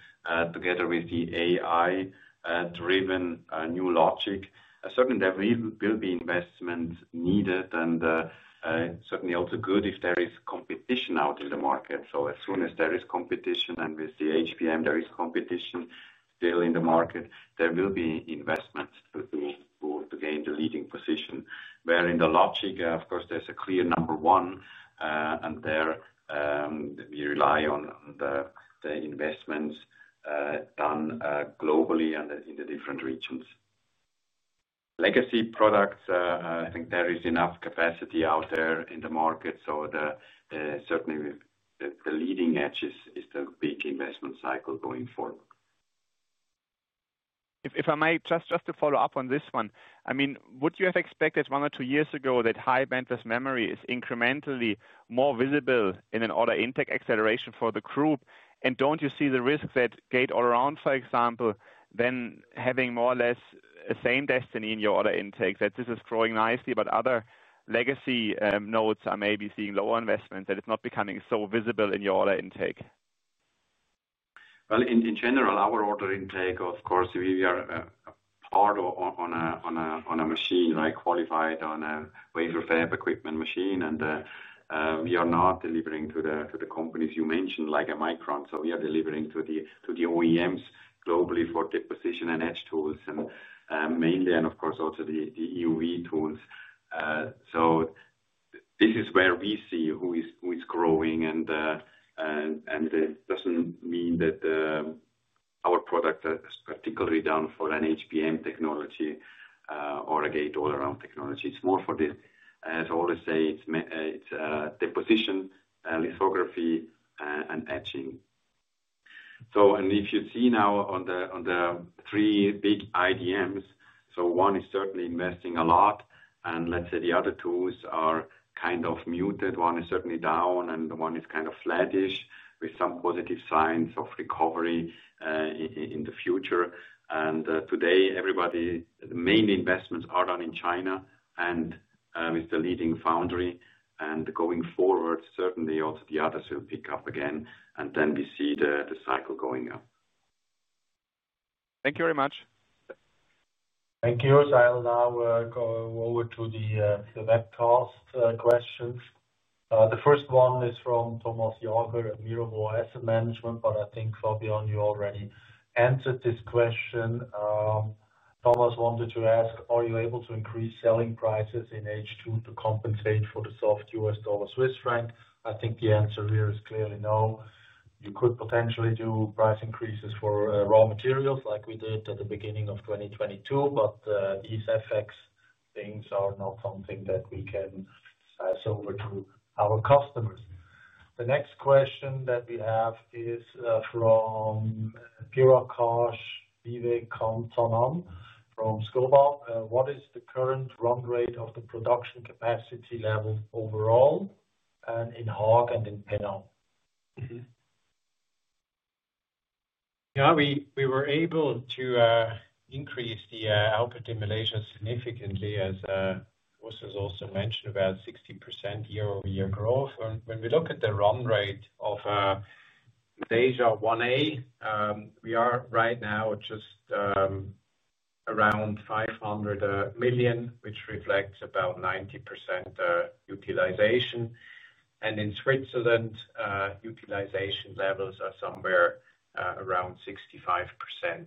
together with the AI-driven new logic, certainly there will be investment needed and certainly also good if there is competition out in the market. As soon as there is competition and with the HBM, there is competition still in the market, there will be investment to gain the leading position. Where in the logic, of course, there's a clear number one, and there we rely on the investments. Done globally and in the different regions. Legacy products, I think there is enough capacity out there in the market, so certainly the Leading Edge is the big investment cycle going forward. If I may, just to follow up on this one, I mean, would you have expected one or two years ago that High Bandwidth Memory is incrementally more visible in an order intake acceleration for the group? And don't you see the risk that Gate-All-Around, for example, then having more or less the same destiny in your order intake, that this is growing nicely, but other legacy nodes are maybe seeing lower investments, that it's not becoming so visible in your order intake? In general, our order intake, of course, we are part of on a machine like qualified on a Wafer Fab Equipment machine, and. We are not delivering to the companies you mentioned like a Micron. We are delivering to the OEMs globally for deposition and edge tools, and mainly, and of course, also the EUV tools. This is where we see who is growing, and. It doesn't mean that our product is particularly done for an HBM technology or a Gate-All-Around technology. It's more for the, as I always say, it's deposition. Lithography, and etching. If you see now on the three big IDMs, so one is certainly investing a lot, and let's say the other tools are kind of muted. One is certainly down, and one is kind of flattish with some positive signs of recovery in the future. Today, everybody, the main investments are done in China and with the leading foundry. Going forward, certainly also the others will pick up again, and then we see the cycle going up. Thank you very much. Thank you. I'll now go over to the webcast questions. The first one is from Thomas Jager at Mirabaud Asset Management, but I think, Fabian, you already answered this question. Thomas wanted to ask, are you able to increase selling prices in H2 to compensate for the soft U.S. dollar, Swiss franc? I think the answer here is clearly no. You could potentially do price increases for raw materials like we did at the beginning of 2022, but these FX things are not something that we can pass over to our customers. The next question that we have is from Gurakar Vivek Kanthanam from Scotiabank. What is the current run rate of the production capacity level overall in Haag and in Penang? Yeah, we were able to increase the output in Malaysia significantly, as was also mentioned, about 60% year-over-year growth. When we look at the run rate of Malaysia 1A, we are right now just around 500 million, which reflects about 90% utilization. In Switzerland, utilization levels are somewhere around 65%.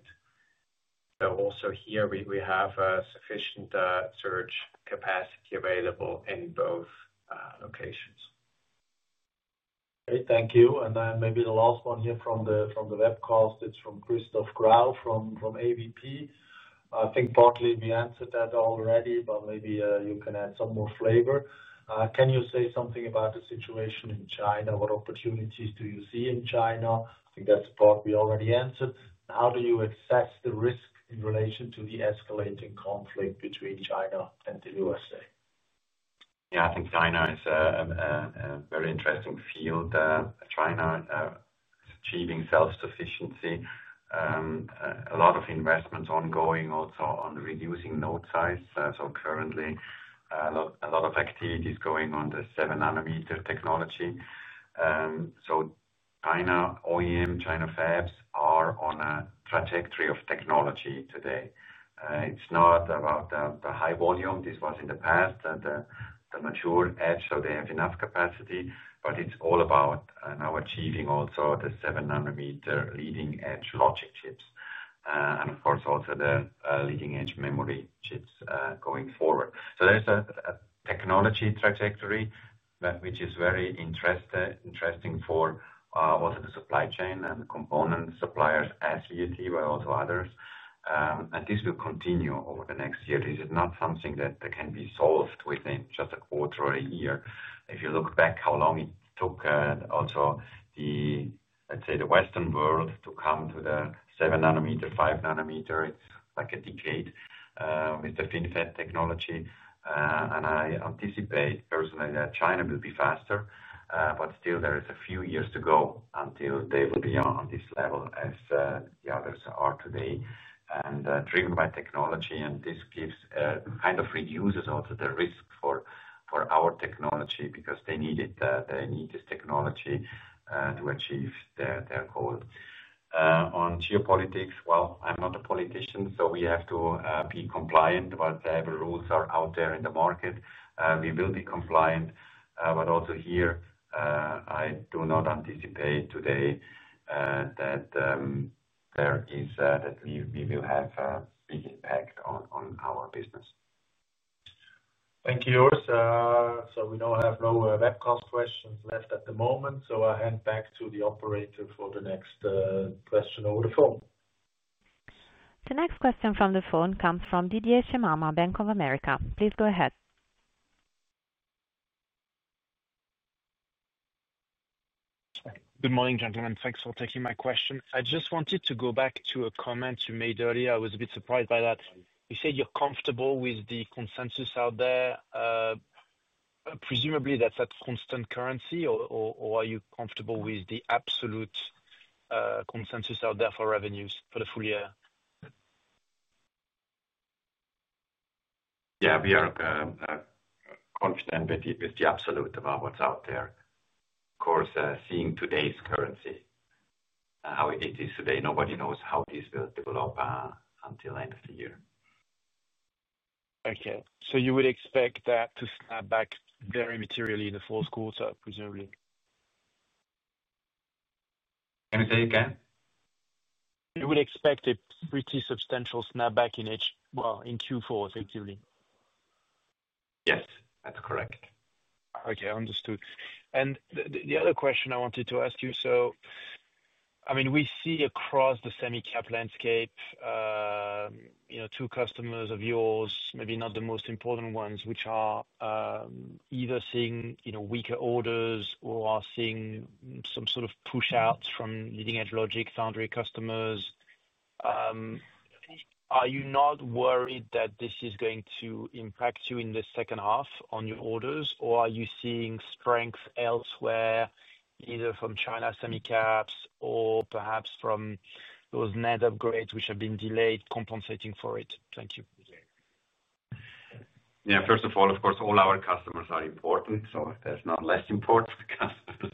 Also here, we have sufficient surge capacity available in both locations. Great. Thank you. And then maybe the last one here from the webcast, it's from Christoph Grau from AVP. I think partly we answered that already, but maybe you can add some more flavor. Can you say something about the situation in China? What opportunities do you see in China? I think that's the part we already answered. How do you assess the risk in relation to the escalating conflict between China and the USA? Yeah, I think China is a very interesting field. China is achieving self-sufficiency. A lot of investments ongoing also on reducing node size. So currently a lot of activity is going on the 7-nanometer technology. So China OEM, China fabs are on a trajectory of technology today. It's not about the high volume. This was in the past, the mature edge, so they have enough capacity, but it's all about now achieving also the 7-nanometer Leading Edge logic chips. And of course, also the Leading Edge memory chips going forward. There is a technology trajectory which is very interesting for also the supply chain and component suppliers as VAT, but also others. This will continue over the next year. This is not something that can be solved within just a quarter or a year. If you look back how long it took also, let's say, the Western world to come to the 7-nanometer, 5-nanometer, it's like a decade with the FinFET technology. I anticipate personally that China will be faster, but still there are a few years to go until they will be on this level as the others are today. Driven by technology, and this kind of reduces also the risk for our technology because they need this technology to achieve their goal. On geopolitics, I'm not a politician, so we have to be compliant, but the rules are out there in the market. We will be compliant, but also here I do not anticipate today that there is that we will have a big impact on our business. Thank you, Urs. We don't have no webcast questions left at the moment, so I'll hand back to the operator for the next question over the phone. The next question from the phone comes from Didier Scemama, Bank of America. Please go ahead. Good morning, gentlemen. Thanks for taking my question. I just wanted to go back to a comment you made earlier. I was a bit surprised by that. You said you're comfortable with the consensus out there. Presumably, that's at constant currency, or are you comfortable with the absolute consensus out there for revenues for the full year? Yeah, we are confident with the absolute about what's out there. Of course, seeing today's currency, how it is today, nobody knows how this will develop until end of the year. Okay. So you would expect that to snap back very materially in the fourth quarter, presumably? Can you say again? You would expect a pretty substantial snapback in Q4, effectively. Yes, that's correct. Okay, understood. And the other question I wanted to ask you, so. I mean, we see across the semi-cap landscape. Two customers of yours, maybe not the most important ones, which are either seeing weaker orders or are seeing some sort of push-outs from leading-edge logic foundry customers. Are you not worried that this is going to impact you in the second half on your orders, or are you seeing strength elsewhere, either from China semi-caps or perhaps from those NAND upgrades which have been delayed compensating for it? Thank you. Yeah, first of all, of course, all our customers are important, so there's no less important customers.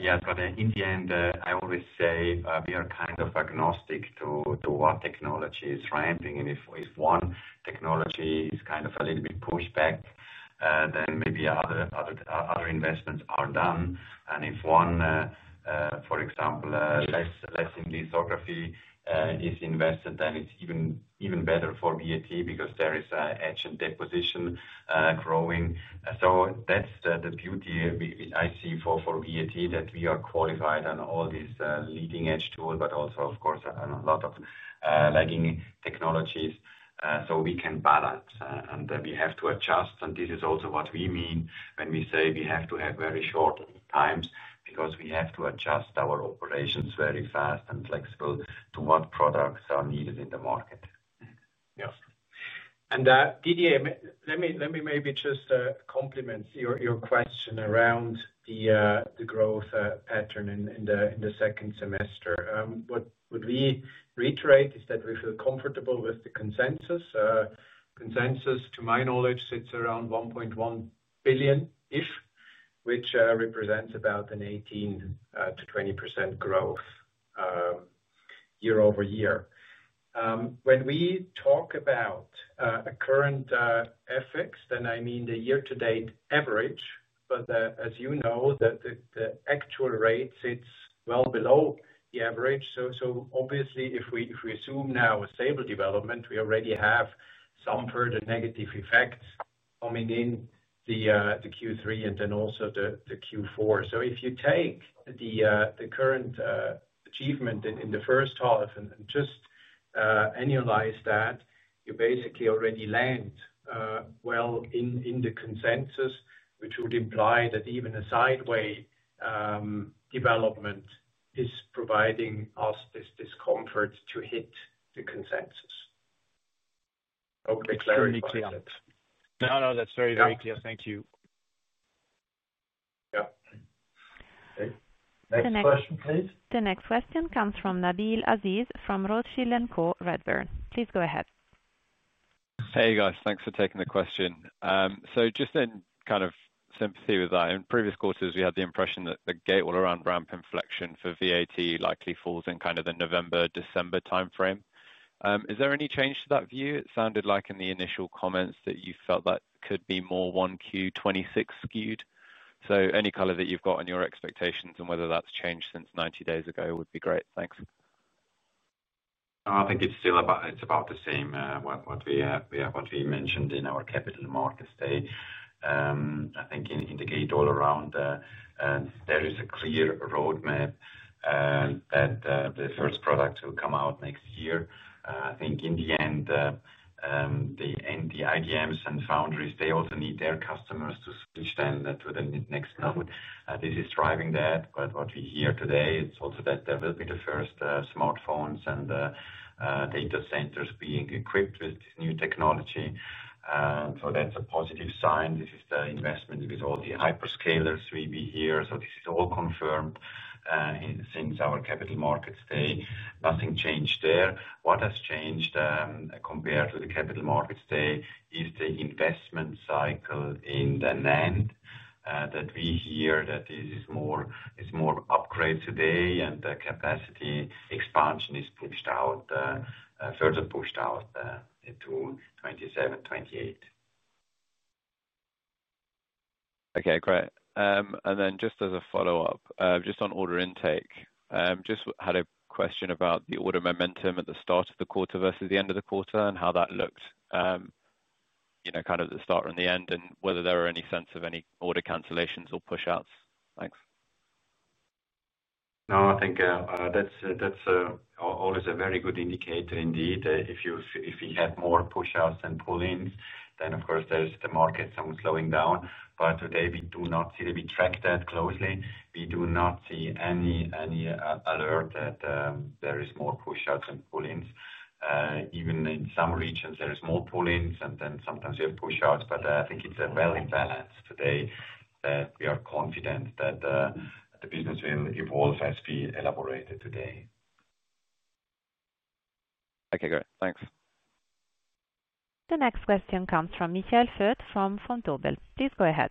Yeah, but in the end, I always say we are kind of agnostic to what technology is ramping. If one technology is kind of a little bit pushed back. Then maybe other investments are done. If one, for example, less in lithography is invested, then it's even better for VAT because there is edge and deposition growing. That's the beauty I see for VAT, that we are qualified on all these leading-edge tools, but also, of course, a lot of lagging technologies. We can balance, and we have to adjust. This is also what we mean when we say we have to have very short times because we have to adjust our operations very fast and flexible to what products are needed in the market. Yeah. And Didier, let me maybe just complement your question around the growth pattern in the second semester. What we reiterate is that we feel comfortable with the consensus. Consensus, to my knowledge, sits around 1.1 billion-ish, which represents about an 18%-20% growth year-over-year. When we talk about a current FX, then I mean the year-to-date average, but as you know, the actual rate sits well below the average. Obviously, if we assume now a stable development, we already have some further negative effects coming in the Q3 and then also the Q4. If you take the current achievement in the first half and just annualize that, you basically already land well in the consensus, which would imply that even a sideway development is providing us this discomfort to hit the consensus. Hopefully clarified. No, no, that's very, very clear. Thank you. Yeah. Next question, please. The next question comes from Nabeel Aziz from Rothschild & Co Redburn. Please go ahead. Hey, guys. Thanks for taking the question. Just in kind of sympathy with that, in previous quarters, we had the impression that the Gate-All-Around ramp inflection for VAT likely falls in kind of the November, December timeframe. Is there any change to that view? It sounded like in the initial comments that you felt that could be more 1Q 2026 skewed. Any color that you've got on your expectations and whether that's changed since 90 days ago would be great. Thanks. I think it's about the same. What we mentioned in our capital markets day. I think in the Gate-All-Around, there is a clear roadmap that the first product will come out next year. I think in the end, the IDMs and foundries, they also need their customers to switch then to the next node. This is driving that. What we hear today, it's also that there will be the first smartphones and data centers being equipped with this new technology. That's a positive sign. This is the investment with all the Hyperscalers we hear. This is all confirmed. Since our capital markets day, nothing changed there. What has changed compared to the capital markets day is the investment cycle in the net, that we hear that this is more upgrade today, and the capacity expansion is pushed out, further pushed out to 2027-2028. Okay, great. And then just as a follow-up, just on order intake, just had a question about the order momentum at the start of the quarter versus the end of the quarter and how that looked, kind of at the start and the end, and whether there were any sense of any order cancellations or push-outs. Thanks. No, I think that's always a very good indicator indeed. If we had more push-outs and pull-ins, then of course, the market's slowing down. Today, we do not see that. We track that closely. We do not see any alert that there is more push-outs and pull-ins. Even in some regions, there are more pull-ins, and then sometimes you have push-outs, but I think it's well-balanced today that we are confident that the business will evolve as we elaborated today. Okay, great. Thanks. The next question comes from Michael Foeth from Vontobel. Please go ahead.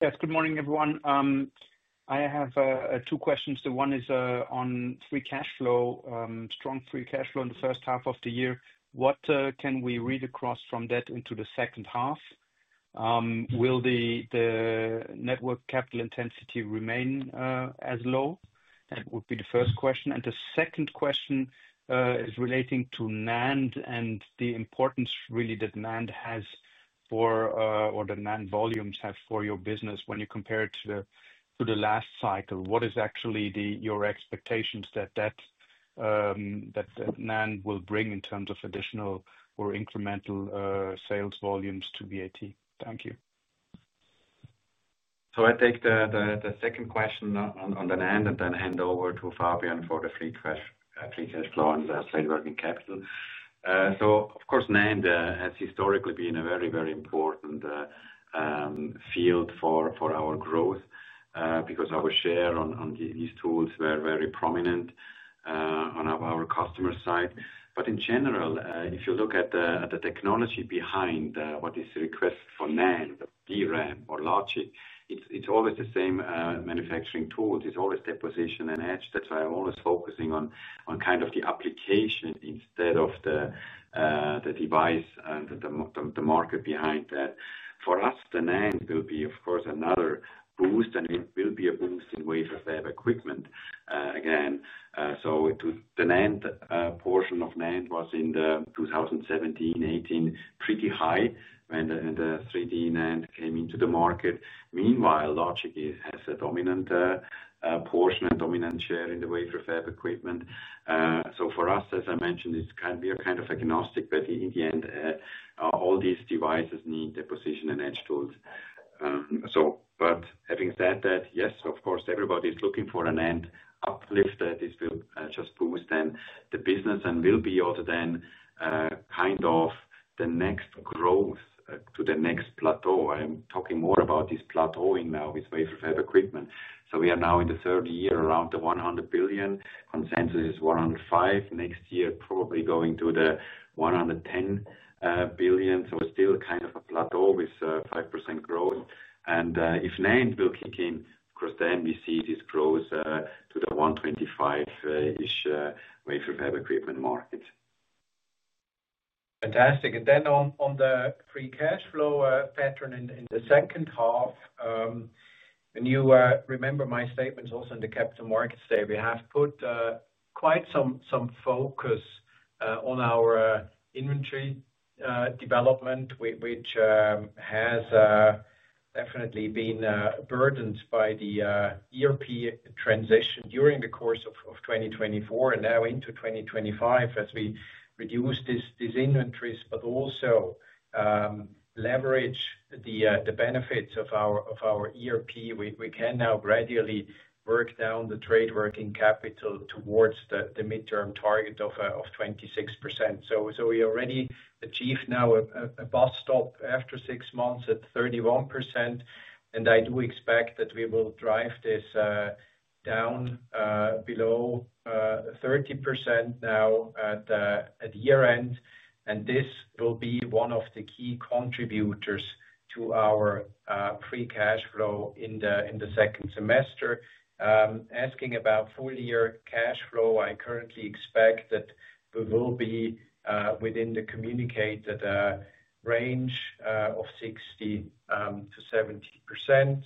Yes, good morning, everyone. I have two questions. The one is on free cash flow, strong free cash flow in the first half of the year. What can we read across from that into the second half? Will the Net Working Capital Intensity remain as low? That would be the first question. The second question is relating to NAND and the importance really that NAND has for, or the NAND volumes have for your business when you compare it to the last cycle. What is actually your expectation that NAND will bring in terms of additional or incremental sales volumes to VAT? Thank you. I take the second question on the NAND and then hand over to Fabian for the free cash flow and the stable working capital. Of course, NAND has historically been a very, very important field for our growth because our share on these tools was very prominent on our customer side. In general, if you look at the technology behind what is the request for NAND, DRAM, or logic, it's always the same manufacturing tools. It's always deposition and etch. That's why I'm always focusing on kind of the application instead of the. Device and the market behind that. For us, the NAND will be, of course, another boost, and it will be a boost in Wafer Fab Equipment again. The NAND portion of NAND was in 2017, 2018, pretty high when the 3D NAND came into the market. Meanwhile, logic has a dominant portion and dominant share in the Wafer Fab Equipment. For us, as I mentioned, we are kind of agnostic, but in the end all these devices need deposition and etch tools. Having said that, yes, of course, everybody is looking for a NAND uplift that this will just boost the business and will be other than kind of the next growth to the next plateau. I'm talking more about this plateauing now with Wafer Fab Equipment. We are now in the third year, around the $100 billion. Consensus is $105 billion. Next year, probably going to the $110 billion. We're still kind of a plateau with 5% growth. If NAND will kick in, of course, then we see this growth to the $125 billion-ish Wafer Fab Equipment market. Fantastic. On the free cash flow pattern in the second half, you remember my statements also in the capital markets day. We have put quite some focus on our inventory development, which has definitely been burdened by the ERP transition during the course of 2024 and now into 2025 as we reduce these inventories, but also leverage the benefits of our ERP. We can now gradually work down the trade working capital towards the midterm target of 26%. We already achieved now a bus stop after six months at 31%. I do expect that we will drive this down below 30% now at year-end. This will be one of the key contributors to our free cash flow in the second semester. Asking about full-year cash flow, I currently expect that we will be within the communicated range of 60%-70%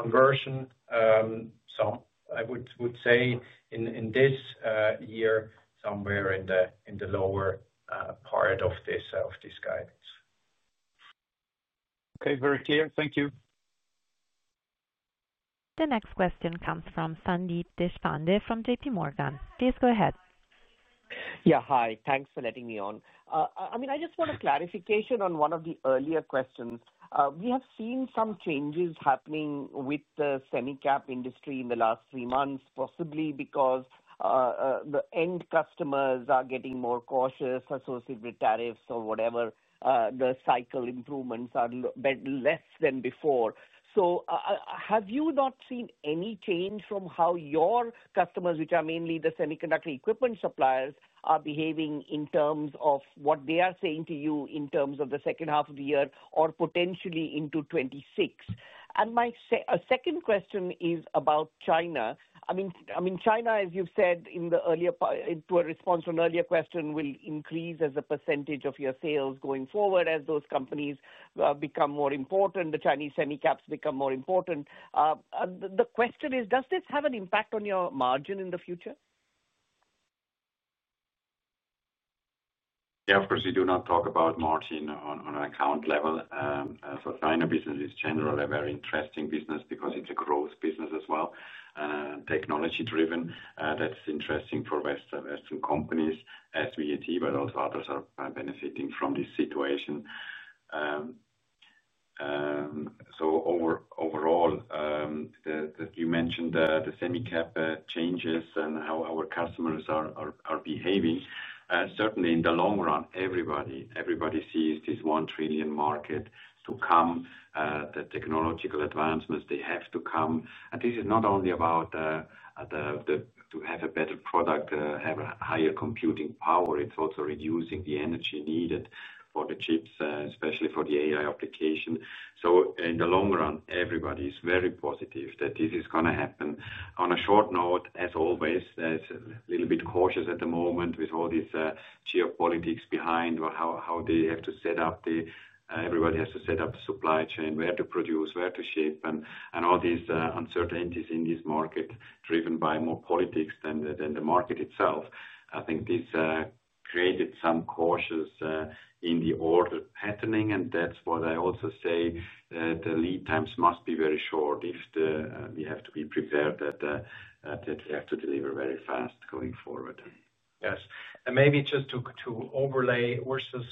conversion. I would say in this year somewhere in the lower part of this guidance. Okay, very clear. Thank you. The next question comes from Sandeep Deshpande from JPMorgan. Please go ahead. Yeah, hi. Thanks for letting me on. I just want a clarification on one of the earlier questions. We have seen some changes happening with the semi-cap industry in the last three months, possibly because the end customers are getting more cautious associated with tariffs or whatever. The cycle improvements are less than before. Have you not seen any change from how your customers, which are mainly the semiconductor equipment suppliers, are behaving in terms of what they are saying to you in terms of the second half of the year or potentially into 2026? My second question is about China. I mean, China, as you have said in the earlier, to a response to an earlier question, will increase as a percentage of your sales going forward as those companies become more important, the Chinese semi-caps become more important. The question is, does this have an impact on your margin in the future? Yeah, of course, we do not talk about margin on an account level. So China business is generally a very interesting business because it is a growth business as well. Technology-driven, that is interesting for Western companies as VAT, but also others are benefiting from this situation. So overall, you mentioned the semi-cap changes and how our customers are behaving. Certainly, in the long run, everybody sees this 1 trillion market to come. The technological advancements, they have to come. And this is not only about to have a better product, have a higher computing power. It is also reducing the energy needed for the chips, especially for the AI application. In the long run, everybody is very positive that this is going to happen. On a short note, as always, there is a little bit cautious at the moment with all this geopolitics behind how they have to set up the, everybody has to set up the supply chain, where to produce, where to ship, and all these uncertainties in this market driven by more politics than the market itself. I think this created some cautious in the order patterning, and that is what I also say. The lead times must be very short if we have to be prepared that we have to deliver very fast going forward. Yes. And maybe just to overlay Urs's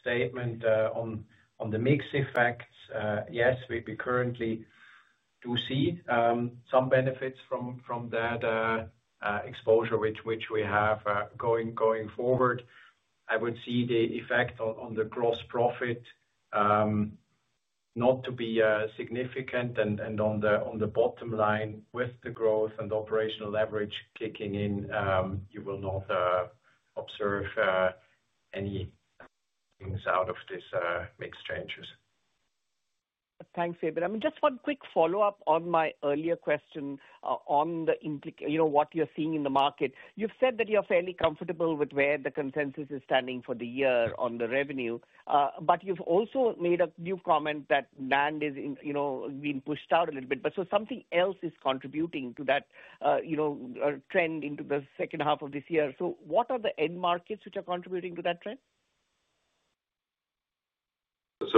statement on the mixed effects, yes, we currently do see some benefits from that exposure which we have going forward. I would see the effect on the gross profit not to be significant. And on the bottom line, with the growth and operational leverage kicking in, you will not observe any things out of these mixed changes. Thanks, Fabian. I mean, just one quick follow-up on my earlier question on what you are seeing in the market. You have said that you are fairly comfortable with where the consensus is standing for the year on the revenue, but you have also made a new comment that NAND has been pushed out a little bit. So something else is contributing to that trend into the second half of this year. What are the end markets which are contributing to that trend?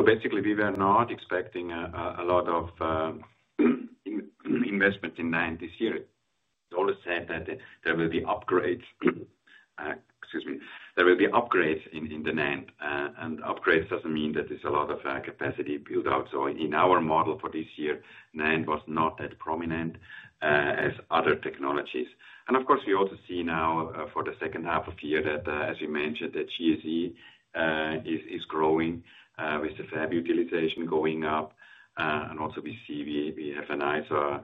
Basically, we were not expecting a lot of investment in NAND this year. It is always said that there will be upgrades. Excuse me. There will be upgrades in the NAND and upgrades does not mean that there is a lot of capacity built out. In our model for this year, NAND was not that prominent as other technologies. Of course, we also see now for the second half of the year that, as you mentioned, that GSE is growing with the fab utilization going up. We see we have a nicer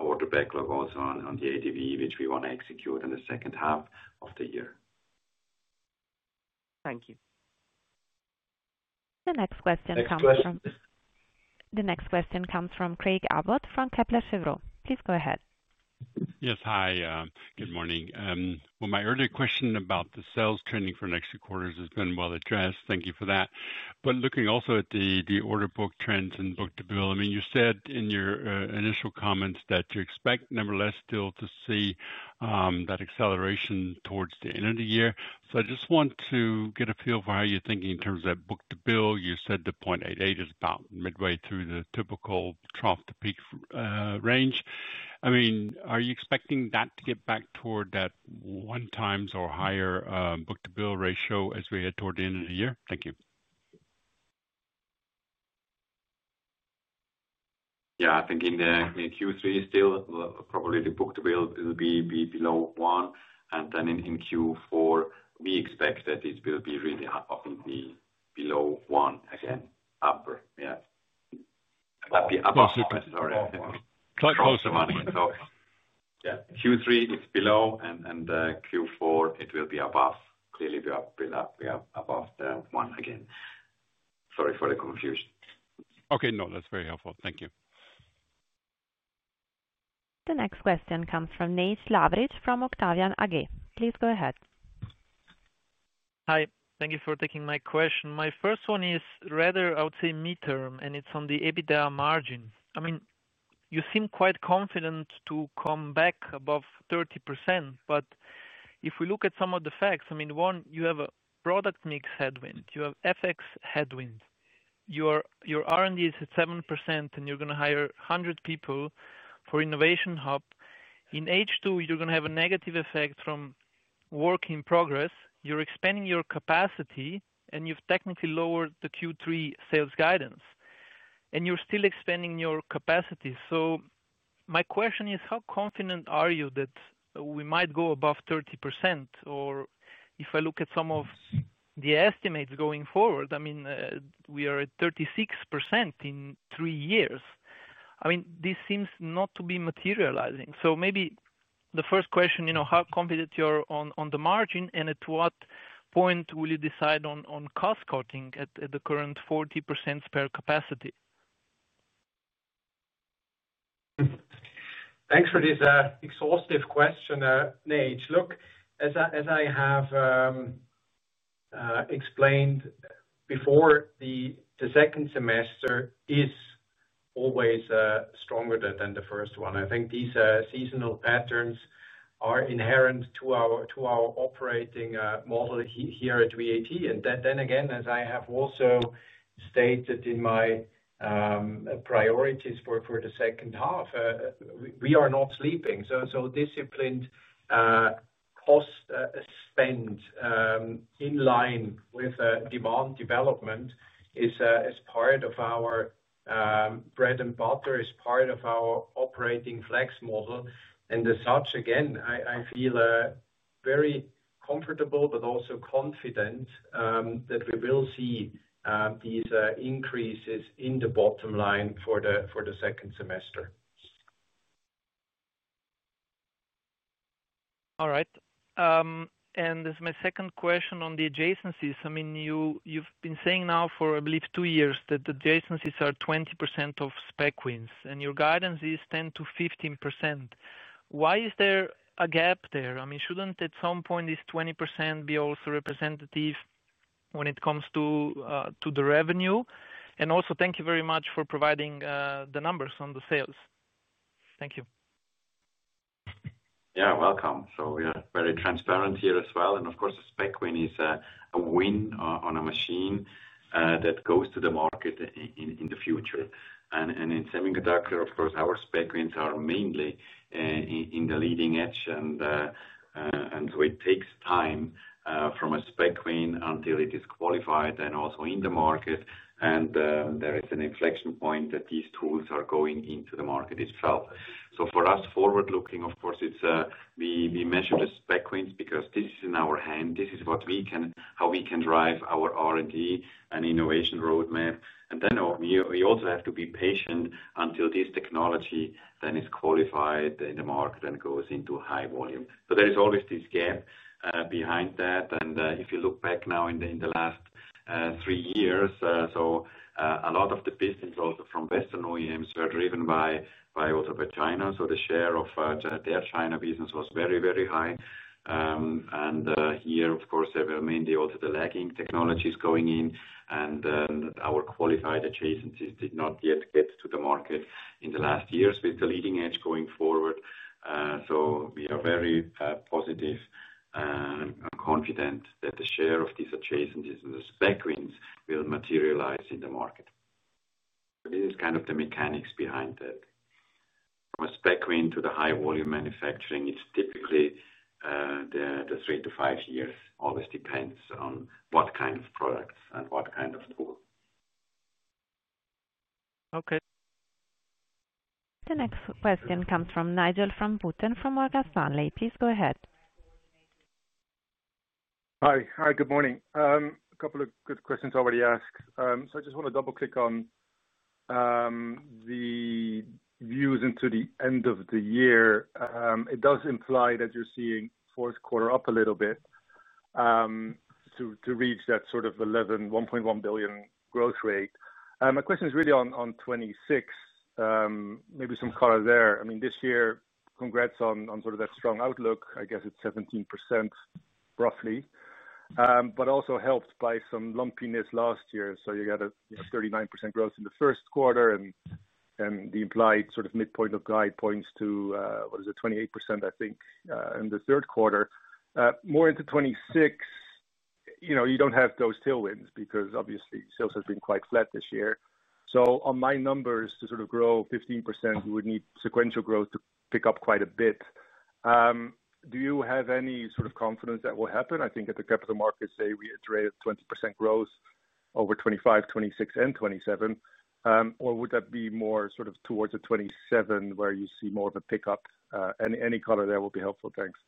order backlog also on the ADV, which we want to execute in the second half of the year. Thank you. The next question comes from Craig Abbott from Kepler Cheuvreux. Please go ahead. Yes, hi. Good morning. My earlier question about the sales trending for next two quarters has been well addressed. Thank you for that. Looking also at the order book trends and Book-to-Bill, I mean, you said in your initial comments that you expect nevertheless still to see that acceleration towards the end of the year. I just want to get a feel for how you're thinking in terms of that Book-to-Bill. You said the 0.88 is about midway through the typical trough to peak range. I mean, are you expecting that to get back toward that one times or higher Book-to-Bill Ratio as we head toward the end of the year? Thank you. Yeah, I think in Q3 still, probably the Book-to-Bill will be below one. In Q4, we expect that it will be really up and be below one again. Up, yeah. Up, up, up. Quite close to one, I think. Q3 it's below, and Q4 it will be above. Clearly, we are above one again. Sorry for the confusion. Okay, no, that's very helpful. Thank you. The next question comes from Nejc Lavric from Octavian AG. Please go ahead. Hi. Thank you for taking my question. My first one is rather, I would say, midterm, and it's on the EBITDA margin. I mean, you seem quite confident to come back above 30%, but if we look at some of the facts, I mean, one, you have a product mix headwind. You have FX headwind. Your R&D is at 7%, and you're going to hire 100 people for innovation hub. In H2, you're going to have a negative effect from work in progress. You're expanding your capacity, and you've technically lowered the Q3 sales guidance. You're still expanding your capacity. My question is, how confident are you that we might go above 30%? Or if I look at some of the estimates going forward, I mean, we are at 36% in three years. I mean, this seems not to be materializing. Maybe the first question, how confident you are on the margin, and at what point will you decide on cost cutting at the current 40% spare capacity? Thanks for this exhaustive question, Nejc. Look, as I have explained before, the second semester is always stronger than the first one. I think these seasonal patterns are inherent to our operating model here at VAT. As I have also stated in my priorities for the second half, we are not sleeping. Disciplined cost spend in line with demand development is part of our bread and butter, is part of our Operating Flex Model. As such, again, I feel very comfortable but also confident that we will see these increases in the bottom line for the second semester. All right. This is my second question on the adjacencies. I mean, you've been saying now for, I believe, two years that the adjacencies are 20% of Spec Wins and your guidance is 10%-15%. Why is there a gap there? I mean, should not at some point this 20% be also representative when it comes to the revenue? Also, thank you very much for providing the numbers on the sales. Thank you. Yeah, welcome. We are very transparent here as well. Of course, a spec win is a win on a machine that goes to the market in the future. In semiconductor, of course, our Spec Wins are mainly in the Leading Edge. It takes time from a spec win until it is qualified and also in the market. There is an inflection point that these tools are going into the market itself. For us, forward-looking, of course, we measure the Spec Wins because this is in our hand. This is how we can drive our R&D and innovation roadmap. Then we also have to be patient until this technology then is qualified in the market and goes into high volume. There is always this gap behind that. If you look back now in the last three years, a lot of the business also from Western OEMs were driven by, also by China. The share of their China business was very, very high. Here, of course, there were mainly also the lagging technologies going in. Our qualified adjacencies did not yet get to the market in the last years with the Leading Edge going forward. We are very positive and confident that the share of these adjacencies and the Spec Wins will materialize in the market. This is kind of the mechanics behind that. From a spec win to the high-volume manufacturing, it is typically the three to five years. Always depends on what kind of products and what kind of tool. Okay. The next question comes from Nigel van Putten from Morgan Stanley please go ahead. Hi, good morning. A couple of good questions already asked. I just want to double-click on the views into the end of the year. It does imply that you're seeing fourth quarter up a little bit to reach that sort of $1.1 billion growth rate. My question is really on 2026. Maybe some color there. I mean, this year, congrats on sort of that strong outlook. I guess it's 17% roughly. But also helped by some lumpiness last year. You got a 39% growth in the first quarter and the implied sort of midpoint of guide points to, what is it, 28%, I think, in the third quarter. More into 2026, you do not have those tailwinds because obviously, sales have been quite flat this year. On my numbers, to sort of grow 15%, you would need sequential growth to pick up quite a bit. Do you have any sort of confidence that will happen? I think at the capital markets, say, we had rated 20% growth over 2025, 2026, and 2027. Or would that be more sort of towards 2027 where you see more of a pickup? Any color there will be helpful. Thanks.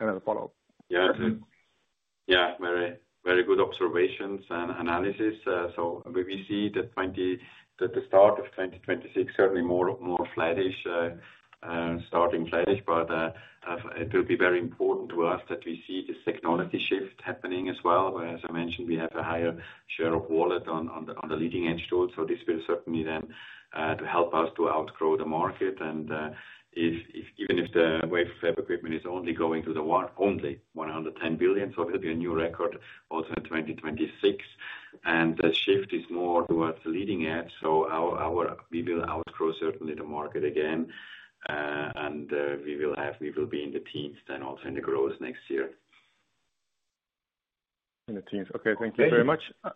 Another follow-up. Yeah. Very good observations and analysis. We see the start of 2026, certainly more flattish. Starting flattish, but it will be very important to us that we see this technology shift happening as well. As I mentioned, we have a higher Share of Wallet on the Leading Edge tool. This will certainly then help us to outgrow the market. Even if the Wafer Fab Equipment is only going to the only $110 billion, it will be a new record also in 2026. The shift is more towards the Leading Edge. We will outgrow certainly the market again. We will be in the teens then also in the growth next year. In the teens. Okay. Thank you very much. Thank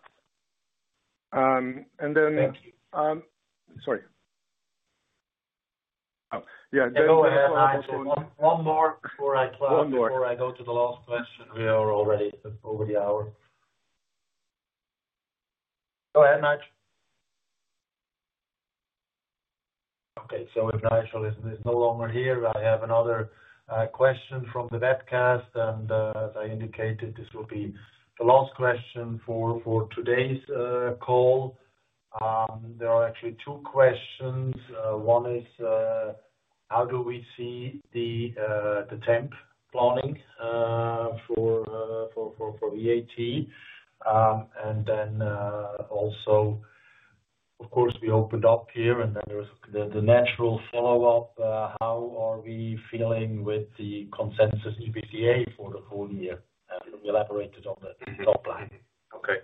you. Sorry. Oh, yeah. One more before I close. One more before I go to the last question. We are already over the hour. Go ahead, Nigel. Okay. If Nigel is no longer here, I have another question from the webcast. As I indicated, this will be the last question for today's call. There are actually two questions. One is, how do we see the temp planning for VAT? Also, of course, we opened up here, and then there was the natural follow-up. How are we feeling with the consensus EBITDA for the full year? We elaborated on the top line. Okay.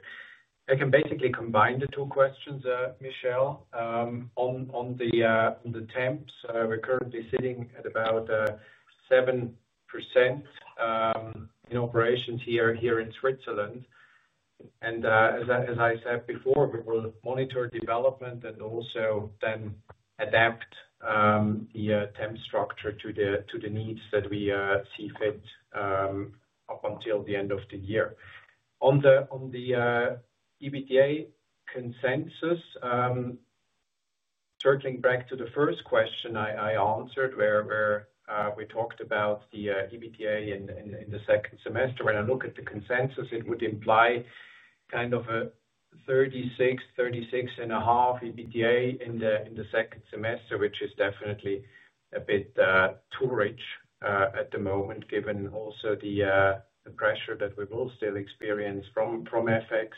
I can basically combine the two questions, Michel. On the temps, we are currently sitting at about 7% in operations here in Switzerland. As I said before, we will monitor development and also then adapt the temp structure to the needs that we see fit up until the end of the year. On the EBITDA consensus, circling back to the first question I answered where we talked about the EBITDA in the second semester, when I look at the consensus, it would imply kind of a 36%-36.5% EBITDA in the second semester, which is definitely a bit too rich at the moment, given also the pressure that we will still experience from FX.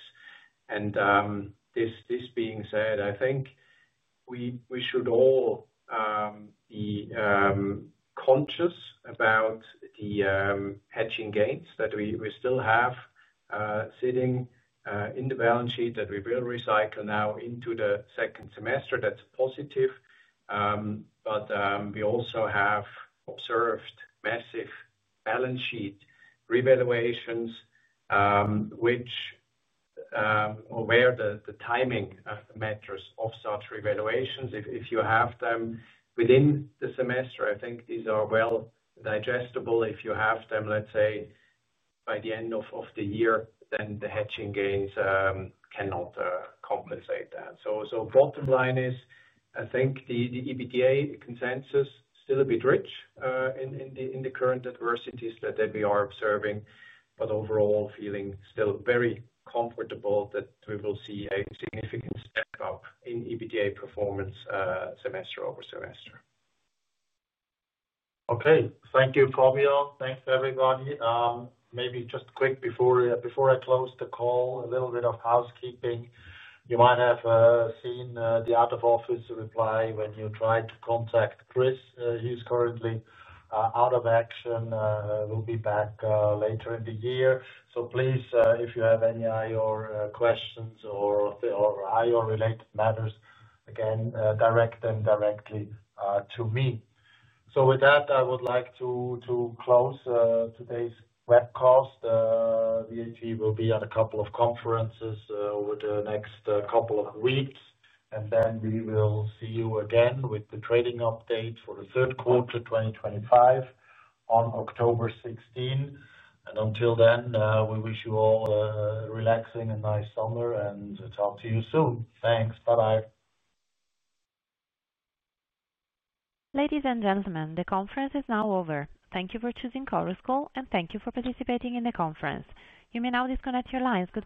This being said, I think we should all be conscious about the hedging gains that we still have sitting in the balance sheet that we will recycle now into the second semester. That is positive, but we also have observed massive balance sheet revaluations. Which or where the timing matters of such revaluations. If you have them within the semester, I think these are well digestible. If you have them, let's say, by the end of the year, then the hedging gains cannot compensate that. Bottom line is, I think the EBITDA consensus is still a bit rich in the current adversities that we are observing, but overall feeling still very comfortable that we will see a significant step up in EBITDA performance semester over semester. Okay. Thank you, Fabian. Thanks, everybody. Maybe just quick before I close the call, a little bit of housekeeping. You might have seen the out-of-office reply when you tried to contact Chris. He's currently out of action. Will be back later in the year. Please, if you have any IR questions or IR-related matters, again, direct them directly to me. With that, I would like to close today's webcast. VAT will be at a couple of conferences over the next couple of weeks. We will see you again with the trading update for the third quarter 2025 on October 16. Until then, we wish you all a relaxing and nice summer, and talk to you soon. Thanks. Bye-bye. Ladies and gentlemen, the conference is now over. Thank you for choosing Chorus Call, and thank you for participating in the conference. You may now disconnect your lines. Good.